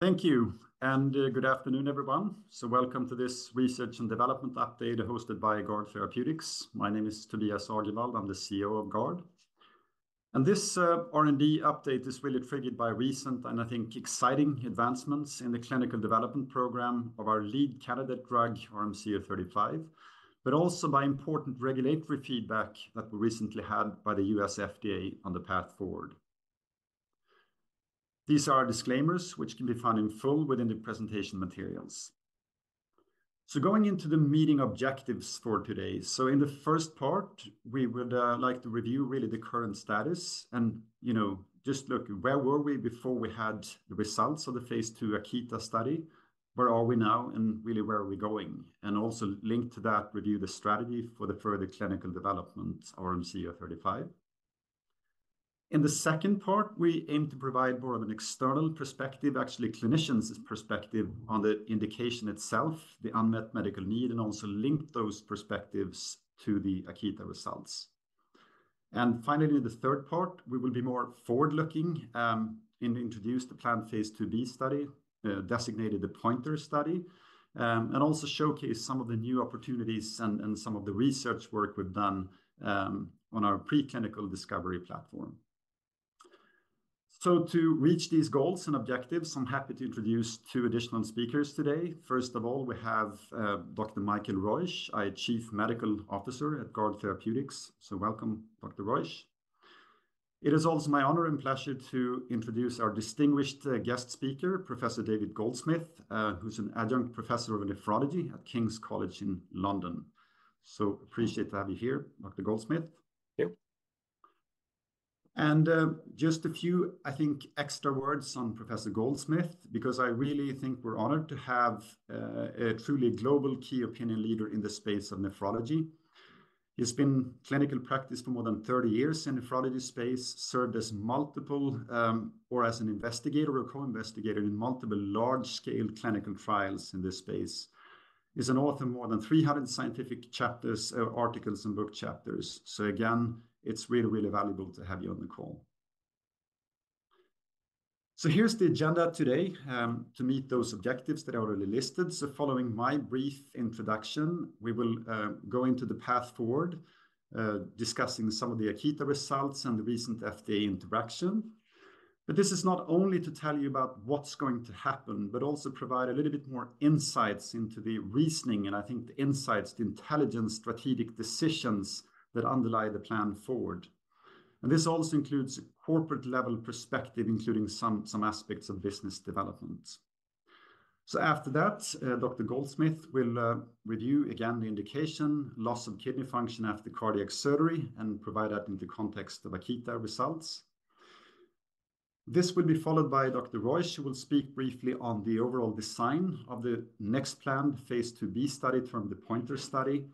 Thank you, and good afternoon, everyone. So welcome to this research and development update hosted by Guard Therapeutics. My name is Tobias Agervald. I'm the CEO of Guard. And this, R&D update is really triggered by recent, and I think, exciting advancements in the clinical development program of our lead candidate drug, RMC-035, but also by important regulatory feedback that we recently had by the US FDA on the path forward. These are our disclaimers, which can be found in full within the presentation materials. So going into the meeting objectives for today. So in the first part, we would like to review really the current status and, you know, just look, where were we before we had the results of the phase II AKITA study? Where are we now, and really, where are we going? And also linked to that, review the strategy for the further clinical development, RMC-035. In the second part, we aim to provide more of an external perspective, actually, clinicians' perspective on the indication itself, the unmet medical need, and also link those perspectives to the AKITA results. And finally, in the third part, we will be more forward-looking, and introduce the planned phase II-B study, designated the POINTER study, and also showcase some of the new opportunities and some of the research work we've done, on our preclinical discovery platform. So to reach these goals and objectives, I'm happy to introduce two additional speakers today. First of all, we have Dr. Michael Reusch, our Chief Medical Officer at Guard Therapeutics. So welcome, Dr. Reusch. It is also my honor and pleasure to introduce our distinguished guest speaker, Professor David Goldsmith, who's an Adjunct Professor of Nephrology at King's College in London. So appreciate to have you here, Dr. Goldsmith. Thank you. Just a few, I think, extra words on Professor Goldsmith, because I really think we're honored to have a truly global key opinion leader in the space of nephrology. He's been clinical practice for more than 30 years in nephrology space, served as multiple, or as an investigator or co-investigator in multiple large-scale clinical trials in this space. He's an author of more than 300 scientific chapters, articles and book chapters. So again, it's really, really valuable to have you on the call. So here's the agenda today, to meet those objectives that I already listed. So following my brief introduction, we will go into the path forward, discussing some of the AKITA results and the recent FDA interaction. But this is not only to tell you about what's going to happen, but also provide a little bit more insights into the reasoning, and I think the insights, the intelligent strategic decisions that underlie the plan forward. This also includes a corporate-level perspective, including some, some aspects of business development. After that, Dr. Goldsmith will review again the indication, loss of kidney function after cardiac surgery, and provide that in the context of AKITA results. This will be followed by Dr. Reusch, who will speak briefly on the overall design of the next planned phase II-B study from the POINTER study,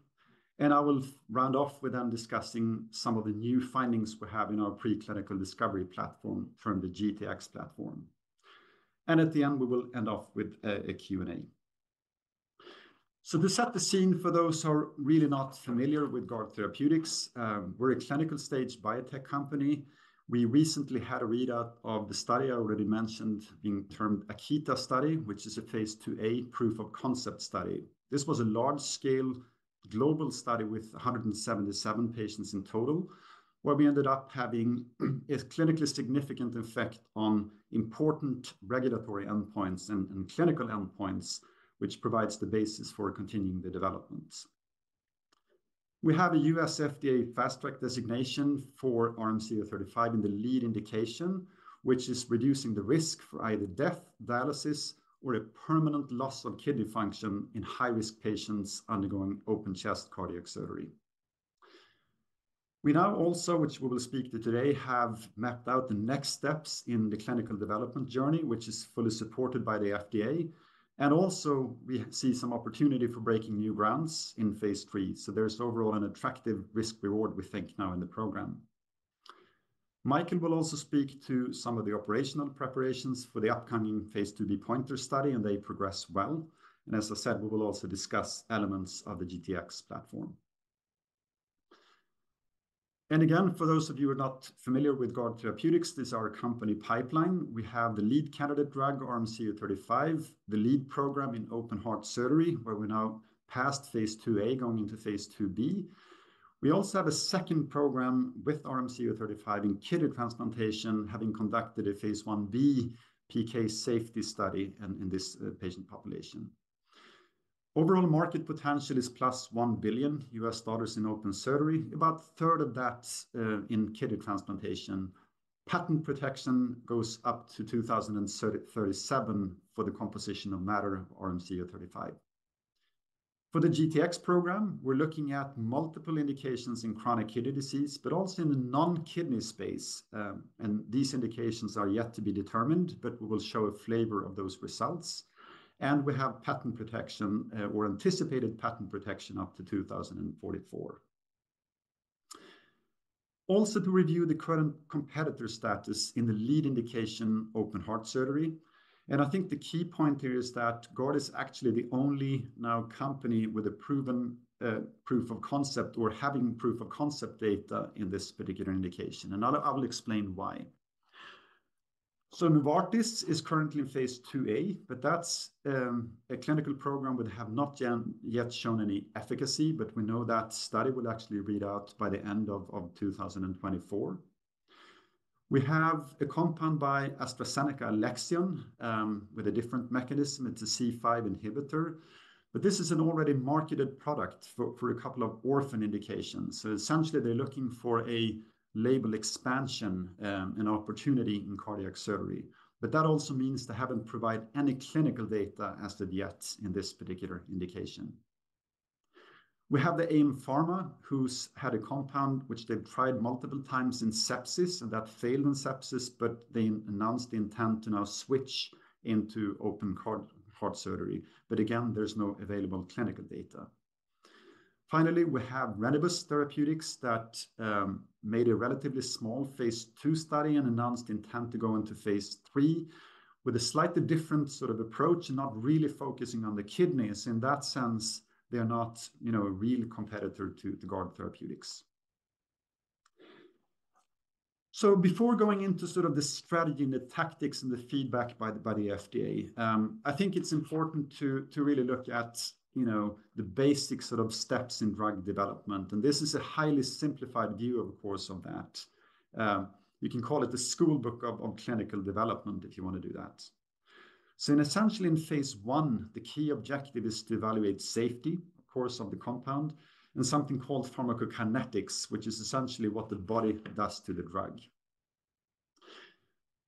and I will round off with him discussing some of the new findings we have in our preclinical discovery platform from the GTX platform. At the end, we will end off with a Q&A. So to set the scene for those who are really not familiar with Guard Therapeutics, we're a clinical-stage biotech company. We recently had a readout of the study I already mentioned, being termed AKITA study, which is a phase II-A proof-of-concept study. This was a large-scale global study with 177 patients in total, where we ended up having a clinically significant effect on important regulatory endpoints and clinical endpoints, which provides the basis for continuing the development. We have a U.S. FDA Fast Track designation for RMC-035 in the lead indication, which is reducing the risk for either death, dialysis, or a permanent loss of kidney function in high-risk patients undergoing open chest cardiac surgery. We now also, which we will speak to today, have mapped out the next steps in the clinical development journey, which is fully supported by the FDA, and also, we see some opportunity for breaking new grounds in phase III. So there's overall an attractive risk-reward, we think now in the program. Michael will also speak to some of the operational preparations for the upcoming phase II-B POINTER study, and they progress well. As I said, we will also discuss elements of the GTX platform. Again, for those of you who are not familiar with Guard Therapeutics, this is our company pipeline. We have the lead candidate drug, RMC-035, the lead program in open-heart surgery, where we're now past phase II-A, going into phase II-B. We also have a second program with RMC-035 in kidney transplantation, having conducted a phase I-B PK safety study in this patient population. Overall market potential is $1 billion+ in open surgery, about a third of that in kidney transplantation. Patent protection goes up to 2037 for the composition of matter, RMC-035. For the GTX program, we're looking at multiple indications in chronic kidney disease, but also in the non-kidney space. These indications are yet to be determined, but we will show a flavor of those results. We have patent protection, or anticipated patent protection, up to 2044. Also, to review the current competitor status in the lead indication, open-heart surgery, and I think the key point here is that Guard is actually the only now company with a proven proof of concept or having proof of concept data in this particular indication. And I'll explain why. So Novartis is currently in phase IIa, but that's a clinical program which have not yet shown any efficacy. But we know that study will actually read out by the end of 2024. We have a compound by AstraZeneca, Alexion, with a different mechanism. It's a C5 inhibitor, but this is an already marketed product for a couple of orphan indications. So essentially, they're looking for a label expansion and opportunity in cardiac surgery. But that also means they haven't provided any clinical data as of yet in this particular indication. We have the AM-Pharma, who's had a compound which they've tried multiple times in sepsis, and that failed in sepsis, but they announced the intent to now switch into open heart, heart surgery. But again, there's no available clinical data. Finally, we have Renibus Therapeutics that made a relatively small phase II study and announced the intent to go into phase III with a slightly different sort of approach, and not really focusing on the kidneys. In that sense, they are not, you know, a real competitor to Guard Therapeutics. So before going into sort of the strategy and the tactics and the feedback by the, by the FDA, I think it's important to, to really look at, you know, the basic sort of steps in drug development, and this is a highly simplified view, of course, of that. You can call it the school book of, on clinical development, if you wanna do that. So in essentially in phase I, the key objective is to evaluate safety, of course, of the compound, and something called pharmacokinetics, which is essentially what the body does to the drug.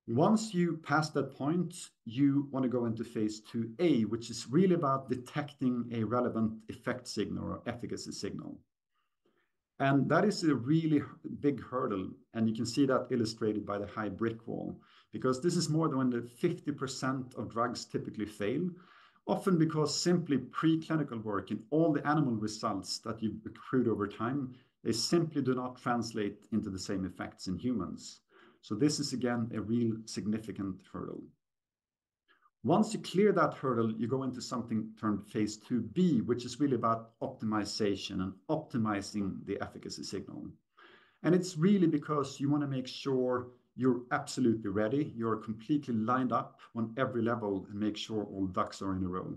Once you pass that point, you wanna go into phase II-A, which is really about detecting a relevant effect signal or efficacy signal. That is a really big hurdle, and you can see that illustrated by the high brick wall, because this is more than when the 50% of drugs typically fail, often because simply preclinical work and all the animal results that you've accrued over time, they simply do not translate into the same effects in humans. This is, again, a real significant hurdle. Once you clear that hurdle, you go into something termed phase II-B, which is really about optimization and optimizing the efficacy signal. It's really because you wanna make sure you're absolutely ready, you're completely lined up on every level, and make sure all ducks are in a row.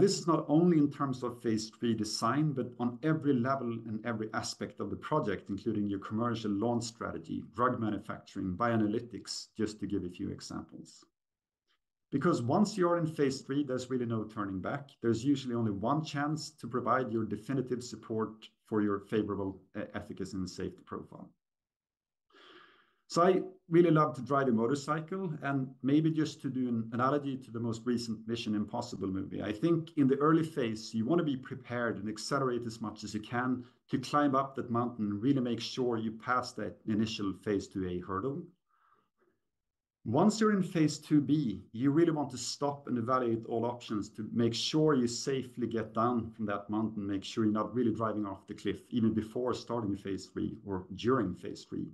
This is not only in terms of phase III design, but on every level and every aspect of the project, including your commercial launch strategy, drug manufacturing, bioanalytics, just to give a few examples. Because once you're in phase III, there's really no turning back. There's usually only one chance to provide your definitive support for your favorable efficacy and safety profile. So I really love to drive a motorcycle, and maybe just to do an analogy to the most recent Mission Impossible movie, I think in the early phase, you wanna be prepared and accelerate as much as you can to climb up that mountain and really make sure you pass that initial phase II-A hurdle. Once you're in phase II-B, you really want to stop and evaluate all options to make sure you safely get down from that mountain, make sure you're not really driving off the cliff, even before starting phase III or during phase III.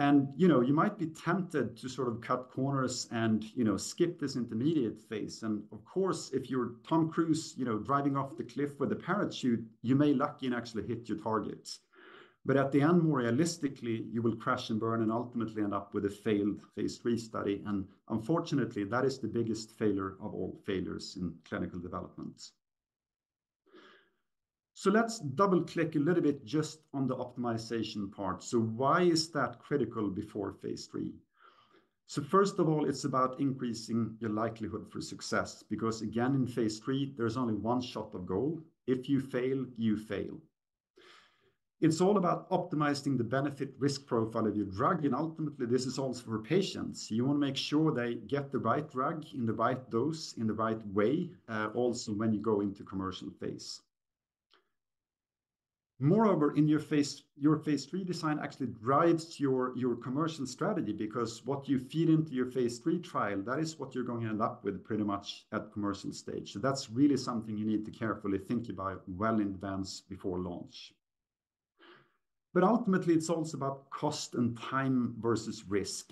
And, you know, you might be tempted to sort of cut corners and, you know, skip this intermediate phase. Of course, if you're Tom Cruise, you know, driving off the cliff with a parachute, you may be lucky and actually hit your target. But at the end, more realistically, you will crash and burn and ultimately end up with a failed phase III study, and unfortunately, that is the biggest failure of all failures in clinical development. So let's double-click a little bit just on the optimization part. So why is that critical before phase III? So first of all, it's about increasing your likelihood for success, because again, in phase III, there's only one shot at goal. If you fail, you fail. It's all about optimizing the benefit-risk profile of your drug, and ultimately, this is also for patients. You wanna make sure they get the right drug in the right dose, in the right way, also when you go into commercial phase. Moreover, in your phase, your phase III design actually drives your, your commercial strategy, because what you feed into your phase III trial, that is what you're going to end up with pretty much at commercial stage. So that's really something you need to carefully think about well in advance before launch. But ultimately, it's also about cost and time versus risk.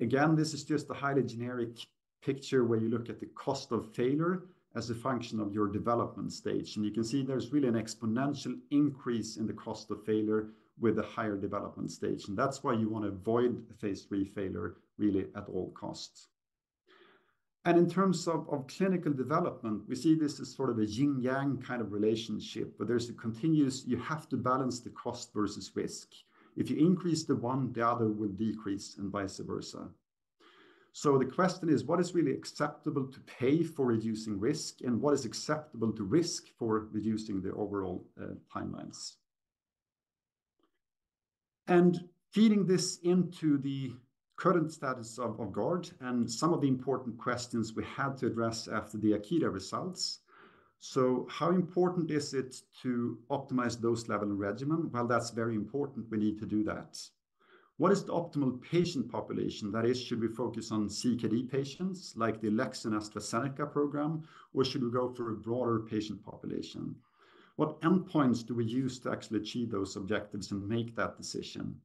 Again, this is just a highly generic picture where you look at the cost of failure as a function of your development stage. You can see there's really an exponential increase in the cost of failure with a higher development stage, and that's why you wanna avoid a phase III failure, really at all costs. In terms of clinical development, we see this as sort of a yin-yang kind of relationship, but there's a continuous... You have to balance the cost versus risk. If you increase the one, the other will decrease, and vice versa. So the question is, what is really acceptable to pay for reducing risk, and what is acceptable to risk for reducing the overall timelines? And feeding this into the current status of, of Guard and some of the important questions we had to address after the AKITA results. So how important is it to optimize dose level and regimen? Well, that's very important. We need to do that. What is the optimal patient population? That is, should we focus on CKD patients, like the Alexion AstraZeneca program, or should we go for a broader patient population? What endpoints do we use to actually achieve those objectives and make that decision?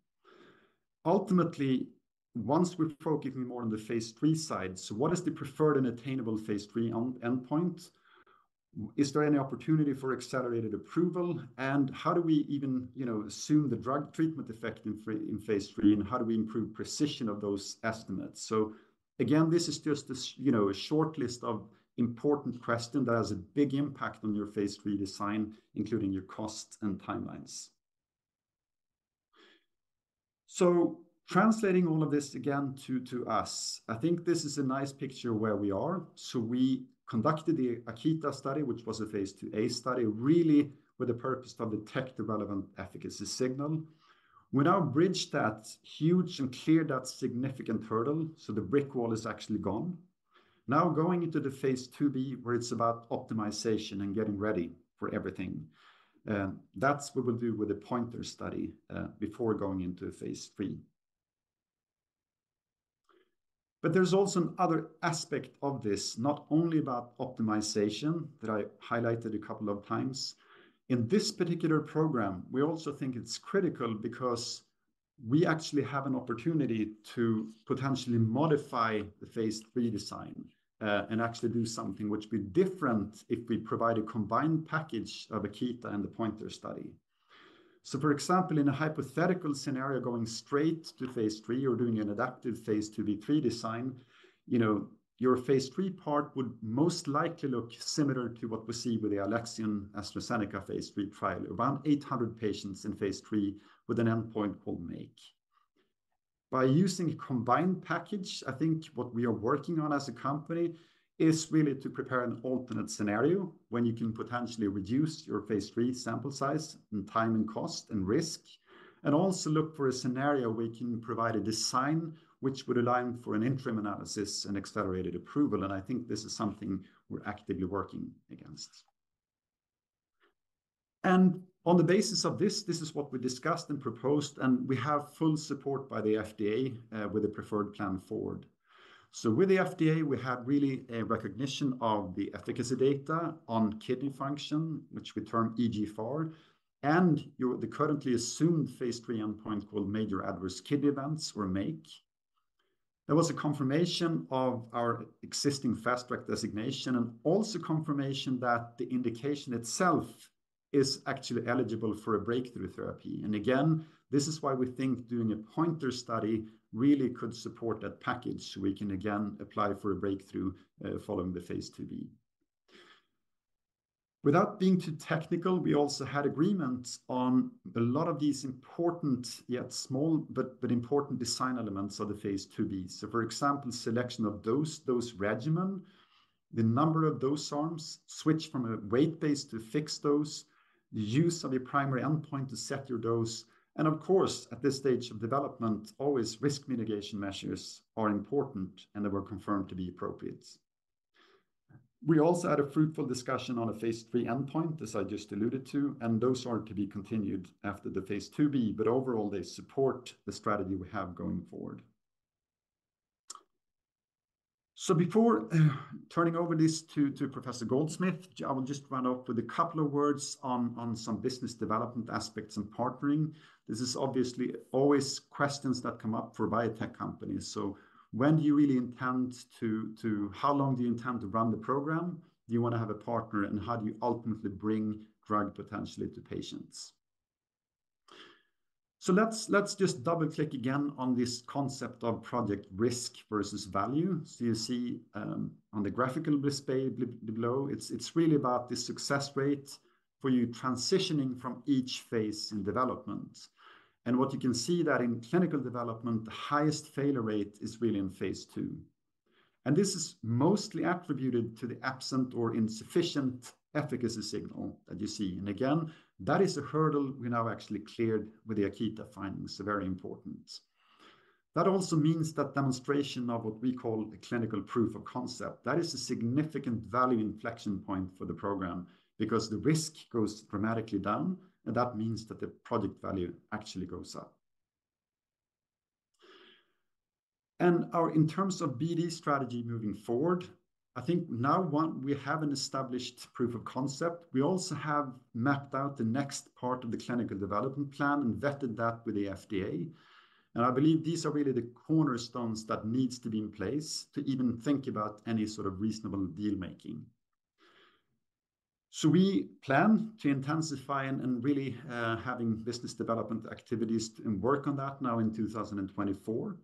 Ultimately, once we've focused more on the phase III side, so what is the preferred and attainable phase III endpoint?... Is there any opportunity for accelerated approval? And how do we even, you know, assume the drug treatment effect in phase III, and how do we improve precision of those estimates? So again, this is just a you know, a short list of important question that has a big impact on your phase III design, including your costs and timelines. So translating all of this again to, to us, I think this is a nice picture of where we are. So we conducted the AKITA study, which was a phase II-A study, really with the purpose of detect the relevant efficacy signal. We now bridge that huge and clear that significant hurdle, so the brick wall is actually gone. Now, going into the phase II-B, where it's about optimization and getting ready for everything, that's what we'll do with the POINTER study, before going into phase III. But there's also another aspect of this, not only about optimization, that I highlighted a couple of times. In this particular program, we also think it's critical because we actually have an opportunity to potentially modify the phase III design, and actually do something which would be different if we provide a combined package of AKITA and the POINTER study. So, for example, in a hypothetical scenario, going straight to phase III or doing an adaptive phase II-B/III design, you know, your phase III part would most likely look similar to what we see with the Alexion AstraZeneca phase III trial, around 800 patients in phase III with an endpoint called MAKE. By using a combined package, I think what we are working on as a company is really to prepare an alternate scenario, when you can potentially reduce your phase III sample size and time, and cost, and risk. Also look for a scenario where you can provide a design which would align for an interim analysis and accelerated approval, and I think this is something we're actively working against. On the basis of this, this is what we discussed and proposed, and we have full support by the FDA with a preferred plan forward. With the FDA, we have really a recognition of the efficacy data on kidney function, which we term eGFR, and the currently assumed phase III endpoint, called Major Adverse Kidney Events or MAKE. There was a confirmation of our existing Fast Track designation, and also confirmation that the indication itself is actually eligible for a Breakthrough Therapy. And again, this is why we think doing a POINTER study really could support that package. We can again apply for a Breakthrough Therapy following the phase II-B. Without being too technical, we also had agreement on a lot of these important, yet small, but important design elements of the phase IIb. So, for example, selection of dose, dose regimen, the number of dose arms, switch from a weight-based to fixed-dose, the use of a primary endpoint to set your dose, and of course, at this stage of development, always risk mitigation measures are important, and they were confirmed to be appropriate. We also had a fruitful discussion on a phase III endpoint, as I just alluded to, and those are to be continued after the phase II-B, but overall, they support the strategy we have going forward. So before turning over this to Professor Goldsmith, I will just round off with a couple of words on some business development aspects and partnering. This is obviously always questions that come up for biotech companies. So when do you really intend to... How long do you intend to run the program? Do you wanna have a partner, and how do you ultimately bring drug potentially to patients? So let's just double-click again on this concept of project risk versus value. So you see, on the graphical display below, it's really about the success rate for you transitioning from each phase in development. What you can see that in clinical development, the highest failure rate is really in phase II. This is mostly attributed to the absent or insufficient efficacy signal that you see. And again, that is a hurdle we now actually cleared with the AKITA findings, so very important. That also means that demonstration of what we call a clinical proof of concept. That is a significant value inflection point for the program because the risk goes dramatically down, and that means that the project value actually goes up. Our in terms of BD strategy moving forward, I think now, one, we have an established proof of concept. We also have mapped out the next part of the clinical development plan and vetted that with the FDA. I believe these are really the cornerstones that needs to be in place to even think about any sort of reasonable deal-making. We plan to intensify and really having business development activities and work on that now in 2024.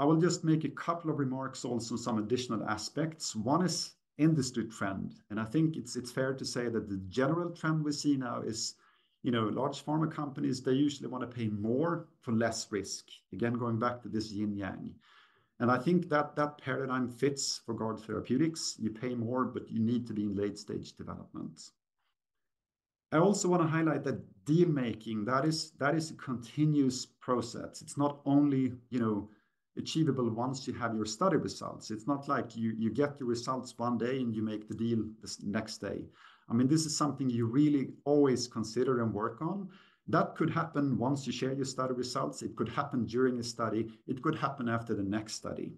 I will just make a couple of remarks, also some additional aspects. One is industry trend, and I think it's fair to say that the general trend we see now is, you know, large pharma companies, they usually wanna pay more for less risk. Again, going back to this yin yang, and I think that paradigm fits for Guard Therapeutics. You pay more, but you need to be in late-stage development. I also wanna highlight that deal-making, that is a continuous process. It's not only, you know, achievable once you have your study results. It's not like you, you get your results one day, and you make the deal the next day. I mean, this is something you really always consider and work on. That could happen once you share your study results. It could happen during a study. It could happen after the next study.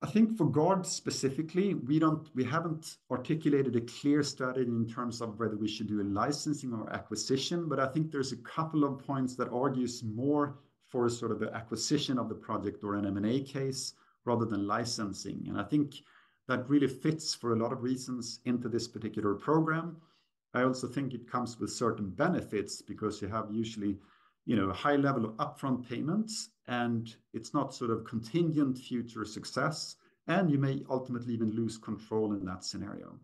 I think for GARD specifically, we don't, we haven't articulated a clear strategy in terms of whether we should do a licensing or acquisition, but I think there's a couple of points that argues more for sort of the acquisition of the project or an M&A case rather than licensing. I think that really fits for a lot of reasons into this particular program. I also think it comes with certain benefits because you have usually, you know, a high level of upfront payments, and it's not sort of contingent future success, and you may ultimately even lose control in that scenario.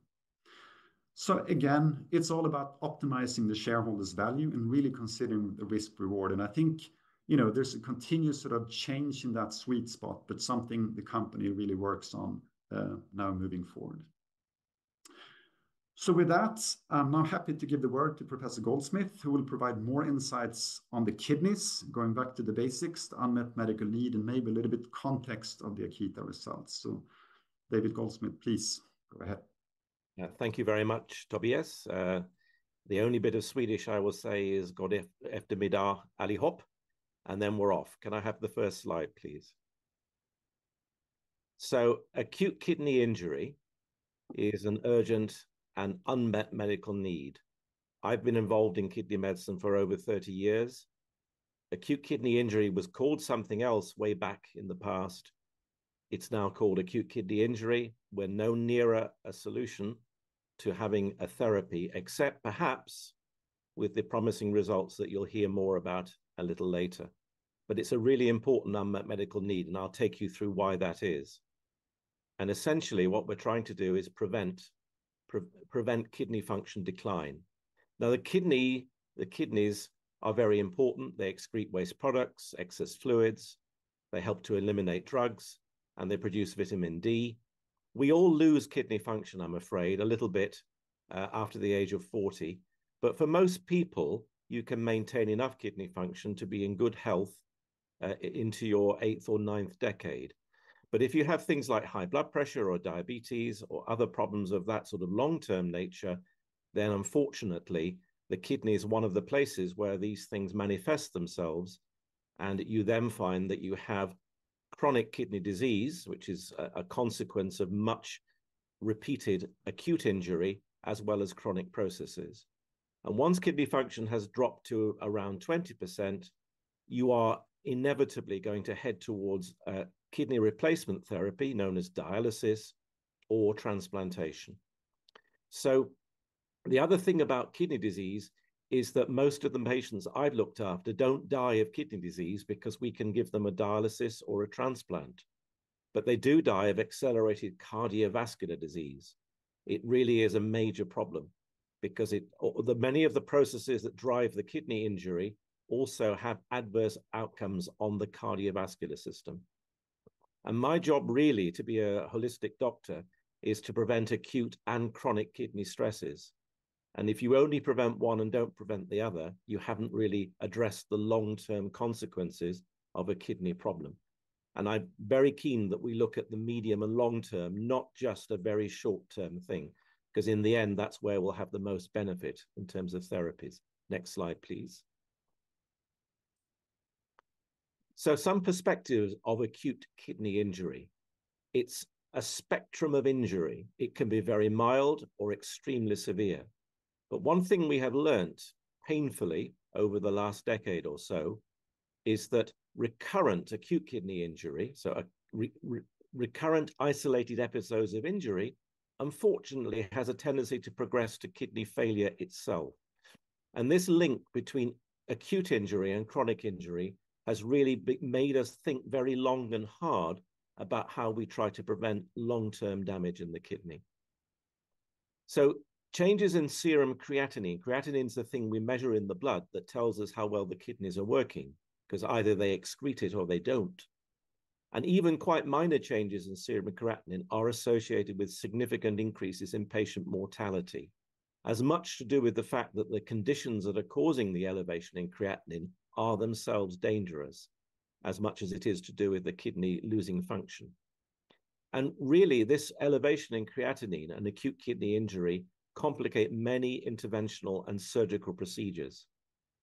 So again, it's all about optimizing the shareholders' value and really considering the risk-reward, and I think, you know, there's a continuous sort of change in that sweet spot, but something the company really works on now moving forward. So with that, I'm now happy to give the word to Professor Goldsmith, who will provide more insights on the kidneys, going back to the basics, the unmet medical need, and maybe a little bit of context of the AKITA results. So David Goldsmith, please go ahead. Yeah. Thank you very much, Tobias. The only bit of Swedish I will say is, "God eftermiddag. Allihop!" And then we're off. Can I have the first slide, please? So, acute kidney injury is an urgent and unmet medical need. I've been involved in kidney medicine for over 30 years. Acute kidney injury was called something else way back in the past. It's now called acute kidney injury. We're no nearer a solution to having a therapy, except perhaps with the promising results that you'll hear more about a little later. But it's a really important unmet medical need, and I'll take you through why that is. And essentially, what we're trying to do is prevent, pre-prevent kidney function decline. Now, the kidney, the kidneys are very important. They excrete waste products, excess fluids, they help to eliminate drugs, and they produce vitamin D. We all lose kidney function, I'm afraid, a little bit after the age of 40. But for most people, you can maintain enough kidney function to be in good health into your eighth or ninth decade. But if you have things like high blood pressure or diabetes or other problems of that sort of long-term nature, then unfortunately, the kidney is one of the places where these things manifest themselves, and you then find that you have chronic kidney disease, which is a consequence of much repeated acute injury as well as chronic processes. Once kidney function has dropped to around 20%, you are inevitably going to head towards kidney replacement therapy, known as dialysis or transplantation. So the other thing about kidney disease is that most of the patients I've looked after don't die of kidney disease because we can give them a dialysis or a transplant, but they do die of accelerated cardiovascular disease. It really is a major problem because it, the many of the processes that drive the kidney injury also have adverse outcomes on the cardiovascular system. And my job, really, to be a holistic doctor, is to prevent acute and chronic kidney stresses. And if you only prevent one and don't prevent the other, you haven't really addressed the long-term consequences of a kidney problem. And I'm very keen that we look at the medium and long term, not just a very short-term thing, 'cause in the end, that's where we'll have the most benefit in terms of therapies. Next slide, please. So some perspectives of acute kidney injury. It's a spectrum of injury. It can be very mild or extremely severe. But one thing we have learned painfully over the last decade or so is that recurrent acute kidney injury, so recurrent isolated episodes of injury, unfortunately, has a tendency to progress to kidney failure itself. And this link between acute injury and chronic injury has really been made us think very long and hard about how we try to prevent long-term damage in the kidney. So changes in serum creatinine. Creatinine is the thing we measure in the blood that tells us how well the kidneys are working, 'cause either they excrete it or they don't. Even quite minor changes in serum creatinine are associated with significant increases in patient mortality, as much to do with the fact that the conditions that are causing the elevation in creatinine are themselves dangerous, as much as it is to do with the kidney losing function. Really, this elevation in creatinine and acute kidney injury complicate many interventional and surgical procedures,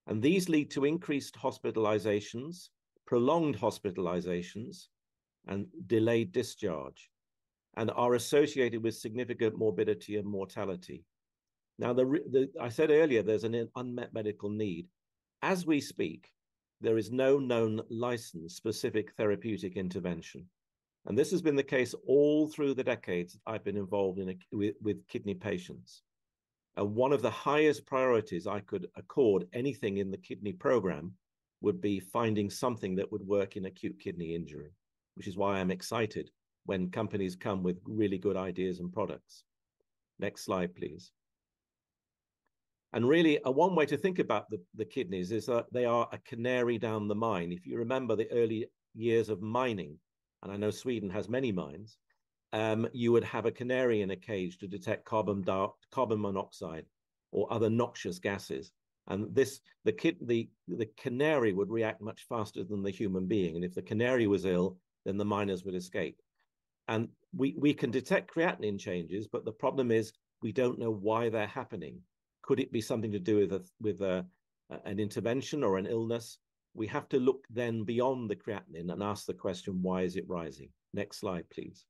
and these lead to increased hospitalizations, prolonged hospitalizations, and delayed discharge, and are associated with significant morbidity and mortality. Now, I said earlier, there's an unmet medical need. As we speak, there is no known licensed specific therapeutic intervention, and this has been the case all through the decades I've been involved with kidney patients. And one of the highest priorities I could accord anything in the kidney program would be finding something that would work in acute kidney injury, which is why I'm excited when companies come with really good ideas and products. Next slide, please. And really, one way to think about the kidneys is that they are a canary down the mine. If you remember the early years of mining, and I know Sweden has many mines, you would have a canary in a cage to detect carbon monoxide or other noxious gases, and the canary would react much faster than the human being. And we can detect creatinine changes, but the problem is, we don't know why they're happening. Could it be something to do with an intervention or an illness? We have to look then beyond the creatinine and ask the question, why is it rising? Next slide, please.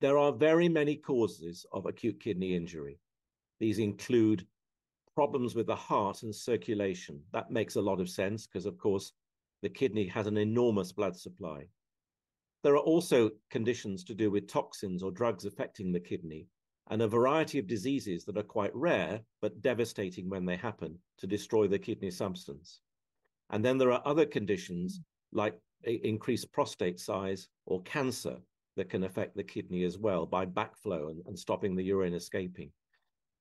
There are very many causes of acute kidney injury. These include problems with the heart and circulation. That makes a lot of sense, 'cause, of course, the kidney has an enormous blood supply. There are also conditions to do with toxins or drugs affecting the kidney, and a variety of diseases that are quite rare, but devastating when they happen, to destroy the kidney substance. And then there are other conditions, like an increased prostate size or cancer, that can affect the kidney as well by backflow and stopping the urine escaping.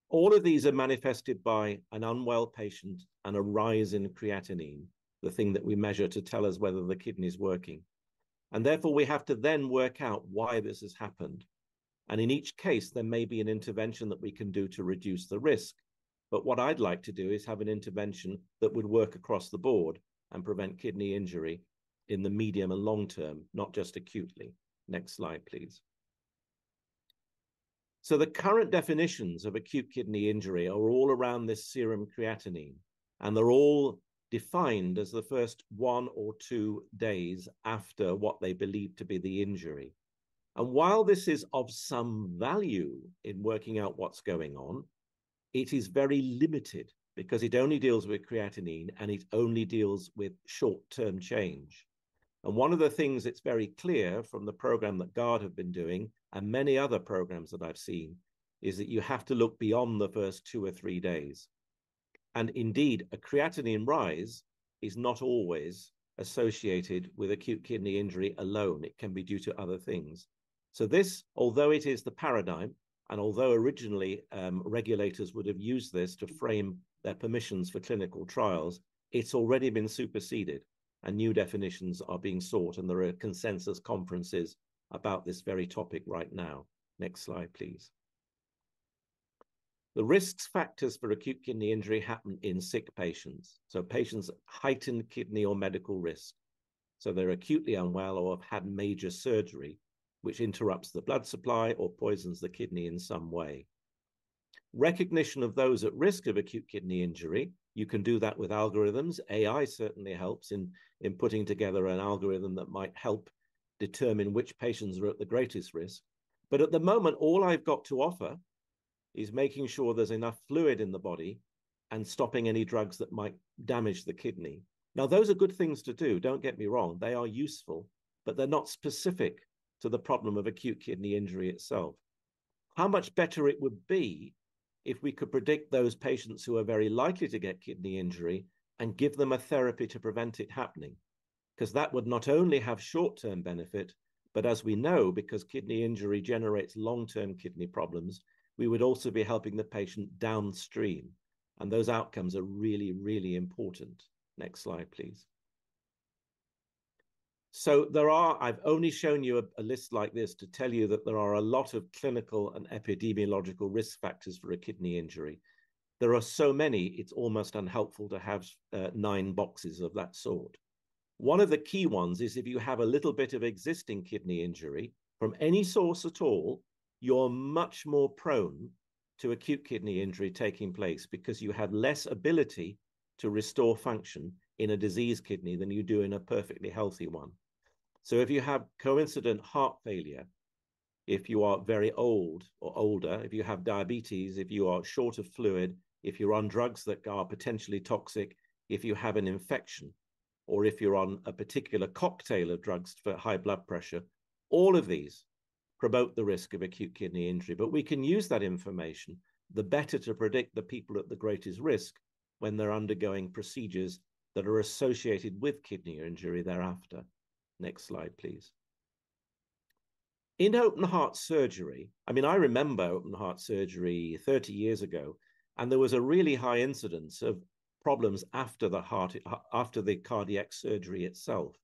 All of these are manifested by an unwell patient and a rise in creatinine, the thing that we measure to tell us whether the kidney is working. Therefore, we have to then work out why this has happened, and in each case, there may be an intervention that we can do to reduce the risk. But what I'd like to do is have an intervention that would work across the board and prevent kidney injury in the medium and long term, not just acutely. Next slide, please. So the current definitions of acute kidney injury are all around this serum creatinine, and they're all defined as the first one or two days after what they believe to be the injury. While this is of some value in working out what's going on, it is very limited because it only deals with creatinine, and it only deals with short-term change. One of the things that's very clear from the program that GARD have been doing, and many other programs that I've seen, is that you have to look beyond the first two or three days. Indeed, a creatinine rise is not always associated with acute kidney injury alone. It can be due to other things. This, although it is the paradigm, and although originally, regulators would have used this to frame their permissions for clinical trials, it's already been superseded, and new definitions are being sought, and there are consensus conferences about this very topic right now. Next slide, please. The risk factors for acute kidney injury happen in sick patients, so patients at heightened kidney or medical risk. So they're acutely unwell or have had major surgery, which interrupts the blood supply or poisons the kidney in some way. Recognition of those at risk of acute kidney injury, you can do that with algorithms. AI certainly helps in putting together an algorithm that might help determine which patients are at the greatest risk. But at the moment, all I've got to offer is making sure there's enough fluid in the body and stopping any drugs that might damage the kidney. Now, those are good things to do, don't get me wrong. They are useful, but they're not specific to the problem of acute kidney injury itself. How much better it would be if we could predict those patients who are very likely to get kidney injury and give them a therapy to prevent it happening? 'Cause that would not only have short-term benefit, but as we know, because kidney injury generates long-term kidney problems, we would also be helping the patient downstream, and those outcomes are really, really important. Next slide, please. So there are... I've only shown you a list like this to tell you that there are a lot of clinical and epidemiological risk factors for a kidney injury. There are so many, it's almost unhelpful to have nine boxes of that sort. One of the key ones is, if you have a little bit of existing kidney injury from any source at all, you're much more prone to acute kidney injury taking place because you have less ability to restore function in a diseased kidney than you do in a perfectly healthy one. So if you have coincident heart failure, if you are very old or older, if you have diabetes, if you are short of fluid, if you're on drugs that are potentially toxic, if you have an infection, or if you're on a particular cocktail of drugs for high blood pressure, all of these promote the risk of acute kidney injury. But we can use that information the better to predict the people at the greatest risk when they're undergoing procedures that are associated with kidney injury thereafter. Next slide, please. In open heart surgery, I mean, I remember open heart surgery 30 years ago, and there was a really high incidence of problems after the heart, after the cardiac surgery itself.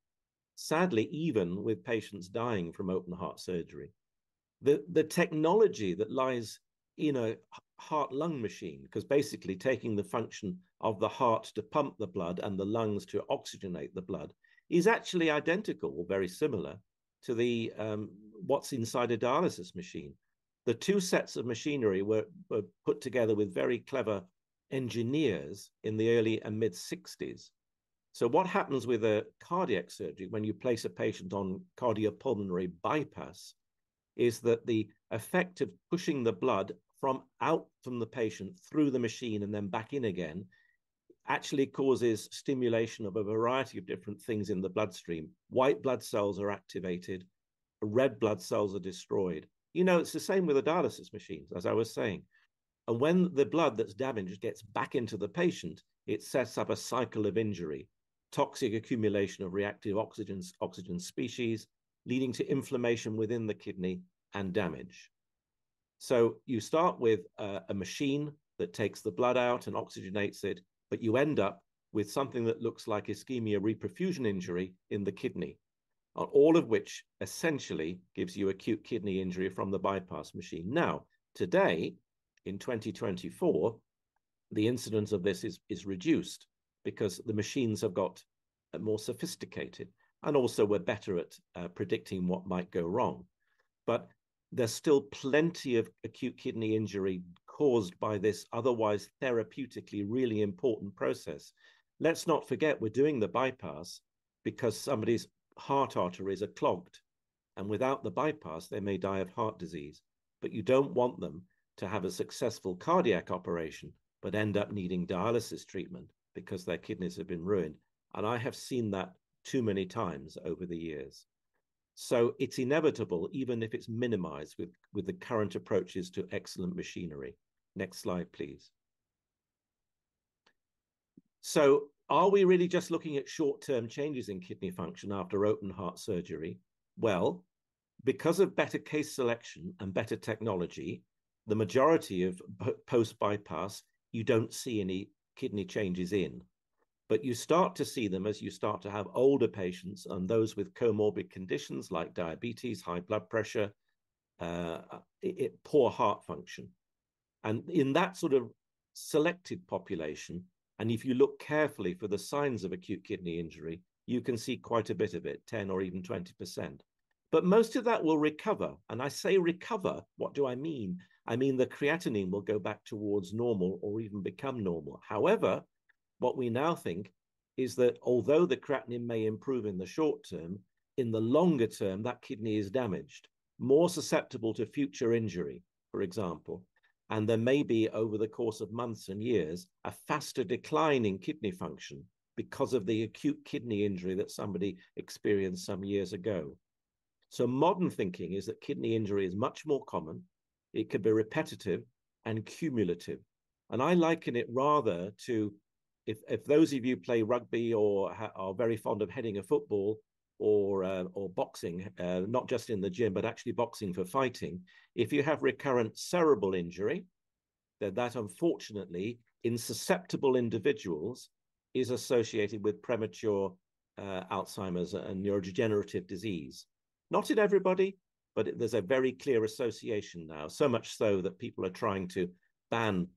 Sadly, even with patients dying from open heart surgery. The technology that lies in a heart-lung machine, 'cause basically taking the function of the heart to pump the blood and the lungs to oxygenate the blood, is actually identical or very similar to the, what's inside a dialysis machine. The two sets of machinery were put together with very clever engineers in the early and mid-1960s. So what happens with a cardiac surgery, when you place a patient on cardiopulmonary bypass, is that the effect of pushing the blood from out from the patient through the machine and then back in again, actually causes stimulation of a variety of different things in the bloodstream. White blood cells are activated, red blood cells are destroyed. You know, it's the same with the dialysis machines, as I was saying. And when the blood that's damaged gets back into the patient, it sets up a cycle of injury, toxic accumulation of reactive oxygen, oxygen species, leading to inflammation within the kidney and damage. So you start with a machine that takes the blood out and oxygenates it, but you end up with something that looks like ischemia-reperfusion injury in the kidney, all of which essentially gives you acute kidney injury from the bypass machine. Now, today, in 2024, the incidence of this is reduced because the machines have got more sophisticated, and also we're better at predicting what might go wrong. But there's still plenty of acute kidney injury caused by this otherwise therapeutically really important process. Let's not forget, we're doing the bypass because somebody's heart arteries are clogged, and without the bypass, they may die of heart disease. But you don't want them to have a successful cardiac operation, but end up needing dialysis treatment because their kidneys have been ruined, and I have seen that too many times over the years. So it's inevitable, even if it's minimized with, with the current approaches to excellent machinery. Next slide, please. So are we really just looking at short-term changes in kidney function after open heart surgery? Well, because of better case selection and better technology, the majority of post bypass, you don't see any kidney changes in. But you start to see them as you start to have older patients and those with comorbid conditions like diabetes, high blood pressure, poor heart function. In that sort of selected population, and if you look carefully for the signs of acute kidney injury, you can see quite a bit of it, 10% or even 20%. But most of that will recover, and I say recover, what do I mean? I mean, the creatinine will go back towards normal or even become normal. However, what we now think is that although the creatinine may improve in the short term, in the longer term, that kidney is damaged, more susceptible to future injury, for example, and there may be, over the course of months and years, a faster decline in kidney function because of the acute kidney injury that somebody experienced some years ago. So modern thinking is that kidney injury is much more common. It could be repetitive and cumulative, and I liken it rather to if those of you play rugby or are very fond of heading a football or boxing, not just in the gym, but actually boxing for fighting, if you have recurrent cerebral injury, then that, unfortunately, in susceptible individuals, is associated with premature Alzheimer's and neurodegenerative disease. Not in everybody, but there's a very clear association now, so much so that people are trying to ban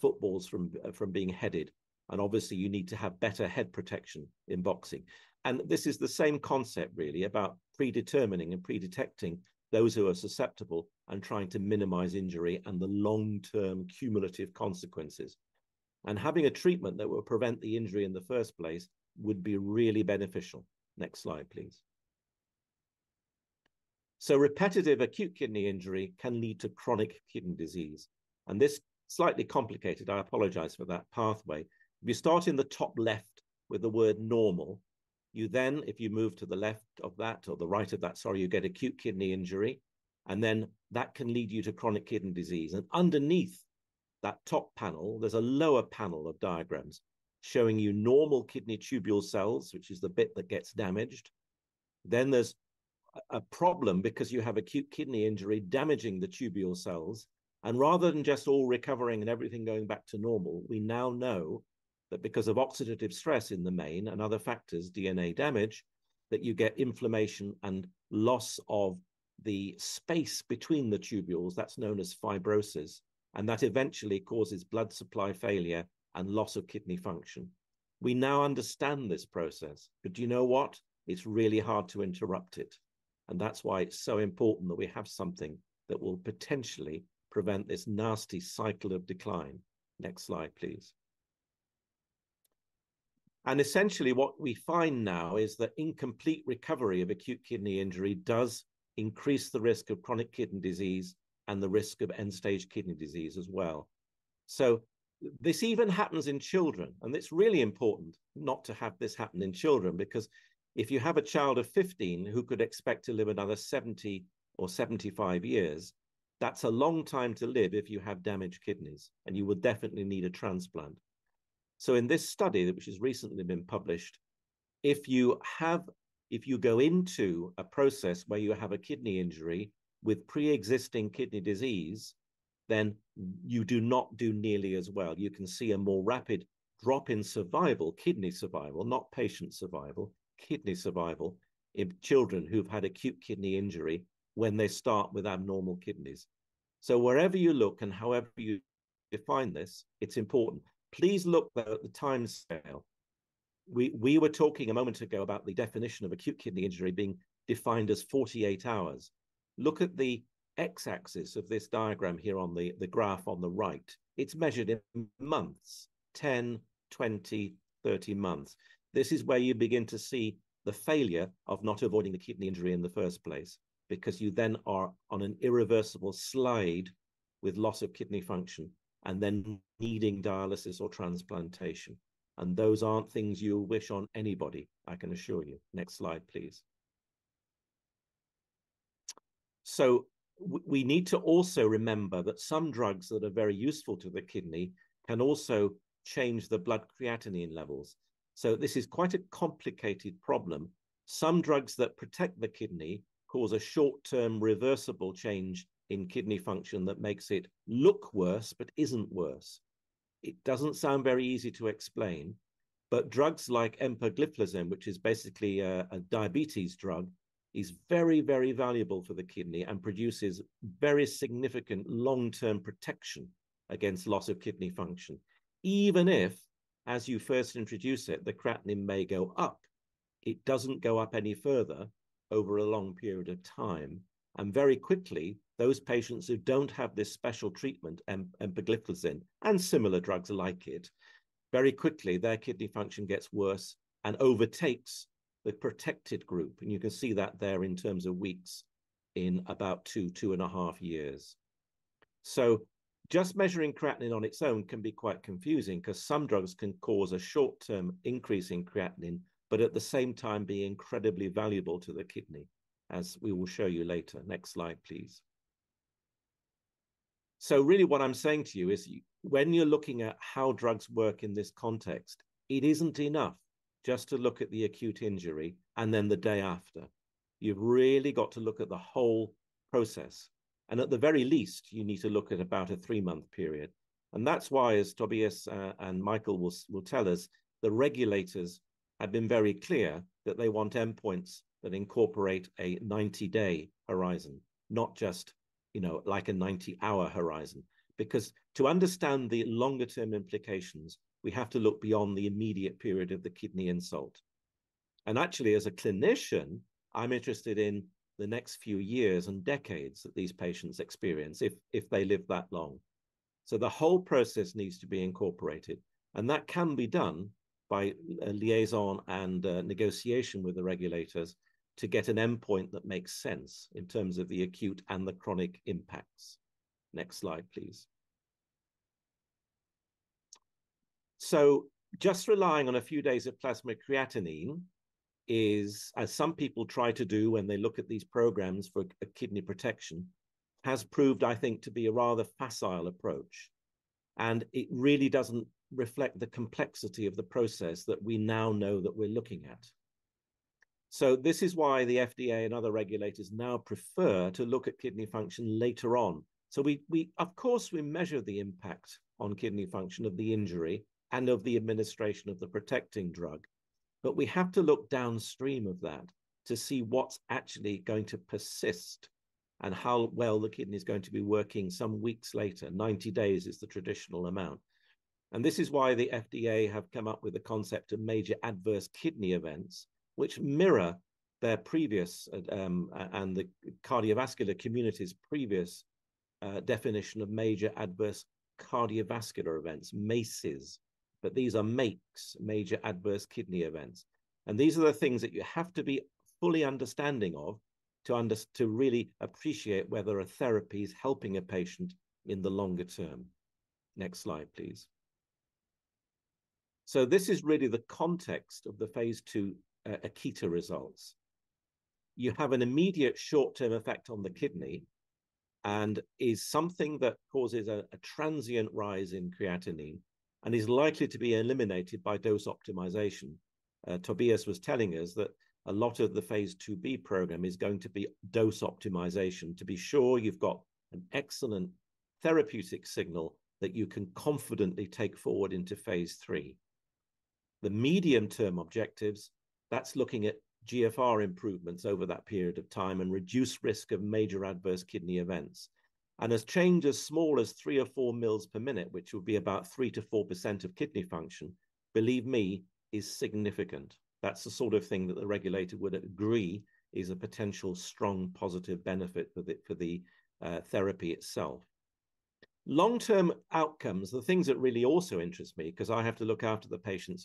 footballs from being headed, and obviously, you need to have better head protection in boxing. And this is the same concept, really, about predetermining and pre-detecting those who are susceptible and trying to minimize injury and the long-term cumulative consequences. And having a treatment that will prevent the injury in the first place would be really beneficial. Next slide, please. So repetitive acute kidney injury can lead to chronic kidney disease, and this slightly complicated, I apologize for that, pathway. If you start in the top left with the word normal, you then, if you move to the left of that or the right of that, sorry, you get acute kidney injury, and then that can lead you to chronic kidney disease. Underneath that top panel, there's a lower panel of diagrams showing you normal kidney tubule cells, which is the bit that gets damaged. Then there's a, a problem because you have acute kidney injury damaging the tubule cells, and rather than just all recovering and everything going back to normal, we now know that because of oxidative stress in the main and other factors, DNA damage, that you get inflammation and loss of the space between the tubules. That's known as fibrosis, and that eventually causes blood supply failure and loss of kidney function. We now understand this process, but do you know what? It's really hard to interrupt it, and that's why it's so important that we have something that will potentially prevent this nasty cycle of decline. Next slide, please. Essentially, what we find now is that incomplete recovery of acute kidney injury does increase the risk of chronic kidney disease and the risk of end-stage kidney disease as well. This even happens in children, and it's really important not to have this happen in children, because if you have a child of 15 who could expect to live another 70 or 75 years, that's a long time to live if you have damaged kidneys, and you would definitely need a transplant. So in this study, which has recently been published, if you go into a process where you have a kidney injury with pre-existing kidney disease, then you do not do nearly as well. You can see a more rapid drop in survival, kidney survival, not patient survival, kidney survival, in children who've had acute kidney injury when they start with abnormal kidneys. So wherever you look and however you define this, it's important. Please look, though, at the timescale. We were talking a moment ago about the definition of acute kidney injury being defined as 48 hours. Look at the X-axis of this diagram here on the graph on the right. It's measured in months, 10, 20, 30 months. This is where you begin to see the failure of not avoiding the kidney injury in the first place, because you then are on an irreversible slide with loss of kidney function and then needing dialysis or transplantation. And those aren't things you'll wish on anybody, I can assure you. Next slide, please. So we need to also remember that some drugs that are very useful to the kidney can also change the blood creatinine levels, so this is quite a complicated problem. Some drugs that protect the kidney cause a short-term reversible change in kidney function that makes it look worse, but isn't worse. It doesn't sound very easy to explain... but drugs like empagliflozin, which is basically, a, a diabetes drug, is very, very valuable for the kidney and produces very significant long-term protection against loss of kidney function. Even if, as you first introduce it, the creatinine may go up, it doesn't go up any further over a long period of time. And very quickly, those patients who don't have this special treatment, empagliflozin, and similar drugs like it, very quickly, their kidney function gets worse and overtakes the protected group, and you can see that there in terms of weeks in about 2-2.5 years. So just measuring creatinine on its own can be quite confusing 'cause some drugs can cause a short-term increase in creatinine, but at the same time be incredibly valuable to the kidney, as we will show you later. Next slide, please. So really, what I'm saying to you is when you're looking at how drugs work in this context, it isn't enough just to look at the acute injury and then the day after. You've really got to look at the whole process, and at the very least, you need to look at about a 3-month period. And that's why, as Tobias and Michael will tell us, the regulators have been very clear that they want endpoints that incorporate a 90-day horizon, not just, you know, like a 90-hour horizon. Because to understand the longer-term implications, we have to look beyond the immediate period of the kidney insult. And actually, as a clinician, I'm interested in the next few years and decades that these patients experience, if they live that long. So the whole process needs to be incorporated, and that can be done by a liaison and negotiation with the regulators to get an endpoint that makes sense in terms of the acute and the chronic impacts. Next slide, please. So just relying on a few days of plasma creatinine is, as some people try to do when they look at these programs for kidney protection, has proved, I think, to be a rather facile approach, and it really doesn't reflect the complexity of the process that we now know that we're looking at. So this is why the FDA and other regulators now prefer to look at kidney function later on. So we, of course, we measure the impact on kidney function of the injury and of the administration of the protecting drug, but we have to look downstream of that to see what's actually going to persist and how well the kidney is going to be working some weeks later. 90 days is the traditional amount. This is why the FDA have come up with the concept of Major Adverse Kidney Events, which mirror their previous, and the cardiovascular community's previous, definition of Major Adverse Cardiovascular Events, MACEs. But these are MAKEs, Major Adverse Kidney Events, and these are the things that you have to be fully understanding of, to really appreciate whether a therapy is helping a patient in the longer term. Next slide, please. So this is really the context of the phase II, AKITA results. You have an immediate short-term effect on the kidney, and is something that causes a transient rise in creatinine and is likely to be eliminated by dose optimization. Tobias was telling us that a lot of the phase II-B programme is going to be dose optimization, to be sure you've got an excellent therapeutic signal that you can confidently take forward into phase III. The medium-term objectives, that's looking at GFR improvements over that period of time and reduced risk of Major Adverse Kidney Events. And a change as small as 3 or 4 mL per minute, which would be about 3%-4% of kidney function, believe me, is significant. That's the sort of thing that the regulator would agree is a potential strong, positive benefit for the therapy itself. Long-term outcomes, the things that really also interest me, 'cause I have to look after the patients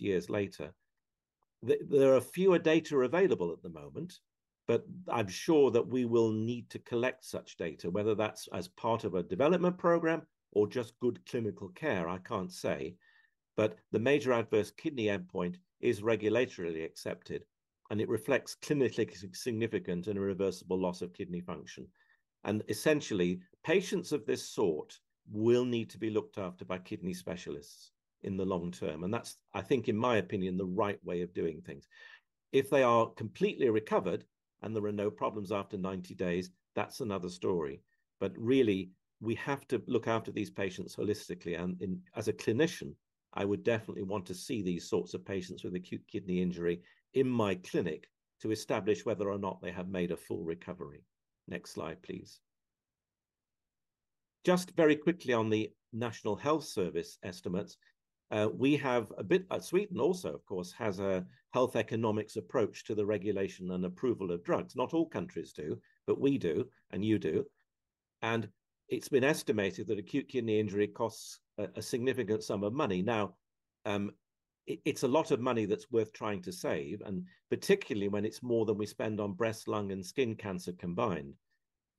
years later, there are fewer data available at the moment, but I'm sure that we will need to collect such data, whether that's as part of a development program or just good clinical care, I can't say, but the major adverse kidney endpoint is regulatorily accepted, and it reflects clinically significant and irreversible loss of kidney function. And essentially, patients of this sort will need to be looked after by kidney specialists in the long term, and that's, I think, in my opinion, the right way of doing things. If they are completely recovered and there are no problems after 90 days, that's another story. But really, we have to look after these patients holistically, and in as a clinician, I would definitely want to see these sorts of patients with acute kidney injury in my clinic to establish whether or not they have made a full recovery. Next slide, please. Just very quickly on the National Health Service estimates, we have a bit Sweden also, of course, has a health economics approach to the regulation and approval of drugs. Not all countries do, but we do, and you do. And it's been estimated that acute kidney injury costs a significant sum of money. Now, it's a lot of money that's worth trying to save, and particularly when it's more than we spend on breast, lung, and skin cancer combined.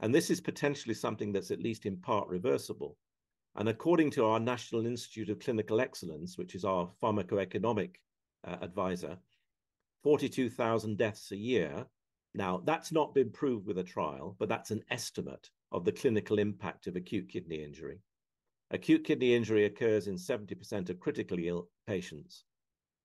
And this is potentially something that's at least in part reversible. According to our National Institute of Clinical Excellence, which is our pharmacoeconomic advisor, 42,000 deaths a year. Now, that's not been proved with a trial, but that's an estimate of the clinical impact of acute kidney injury. Acute kidney injury occurs in 70% of critically ill patients,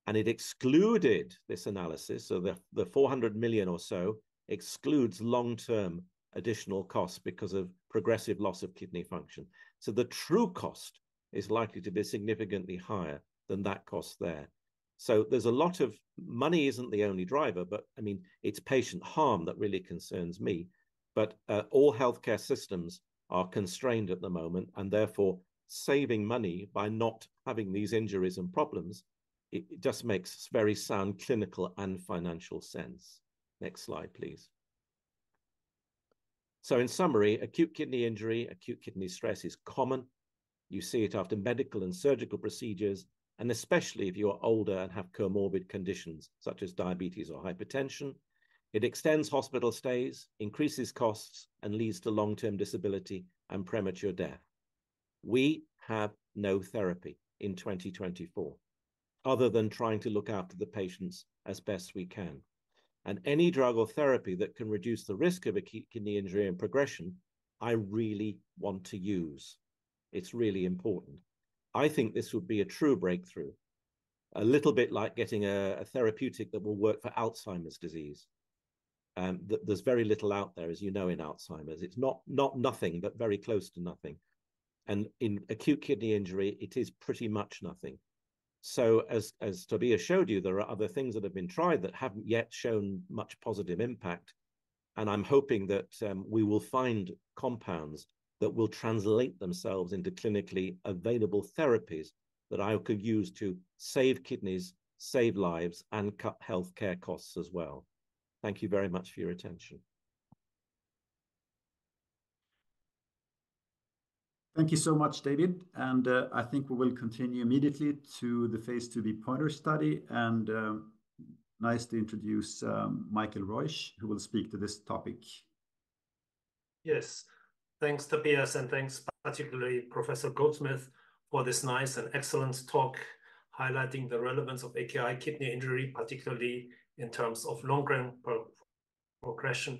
and it excluded this analysis, so the four hundred million or so excludes long-term additional costs because of progressive loss of kidney function. So the true cost is likely to be significantly higher than that cost there. So there's a lot of money isn't the only driver, but, I mean, it's patient harm that really concerns me. But all healthcare systems are constrained at the moment, and therefore, saving money by not having these injuries and problems, it just makes very sound clinical and financial sense. Next slide, please. So in summary, acute kidney injury, acute kidney stress is common. You see it after medical and surgical procedures, and especially if you are older and have comorbid conditions such as diabetes or hypertension. It extends hospital stays, increases costs, and leads to long-term disability and premature death. We have no therapy in 2024, other than trying to look after the patients as best we can, and any drug or therapy that can reduce the risk of acute kidney injury and progression, I really want to use. It's really important. I think this would be a true breakthrough, a little bit like getting a therapeutic that will work for Alzheimer's disease. There's very little out there, as you know, in Alzheimer's. It's not nothing, but very close to nothing, and in acute kidney injury, it is pretty much nothing. So as Tobias showed you, there are other things that have been tried that haven't yet shown much positive impact, and I'm hoping that we will find compounds that will translate themselves into clinically available therapies that I could use to save kidneys, save lives, and cut healthcare costs as well. Thank you very much for your attention. Thank you so much, David, and I think we will continue immediately to the phase II-B POINTER study, and nice to introduce Michael Reusch, who will speak to this topic. Yes. Thanks, Tobias, and thanks particularly, Professor Goldsmith, for this nice and excellent talk, highlighting the relevance of AKI kidney injury, particularly in terms of long-term progression,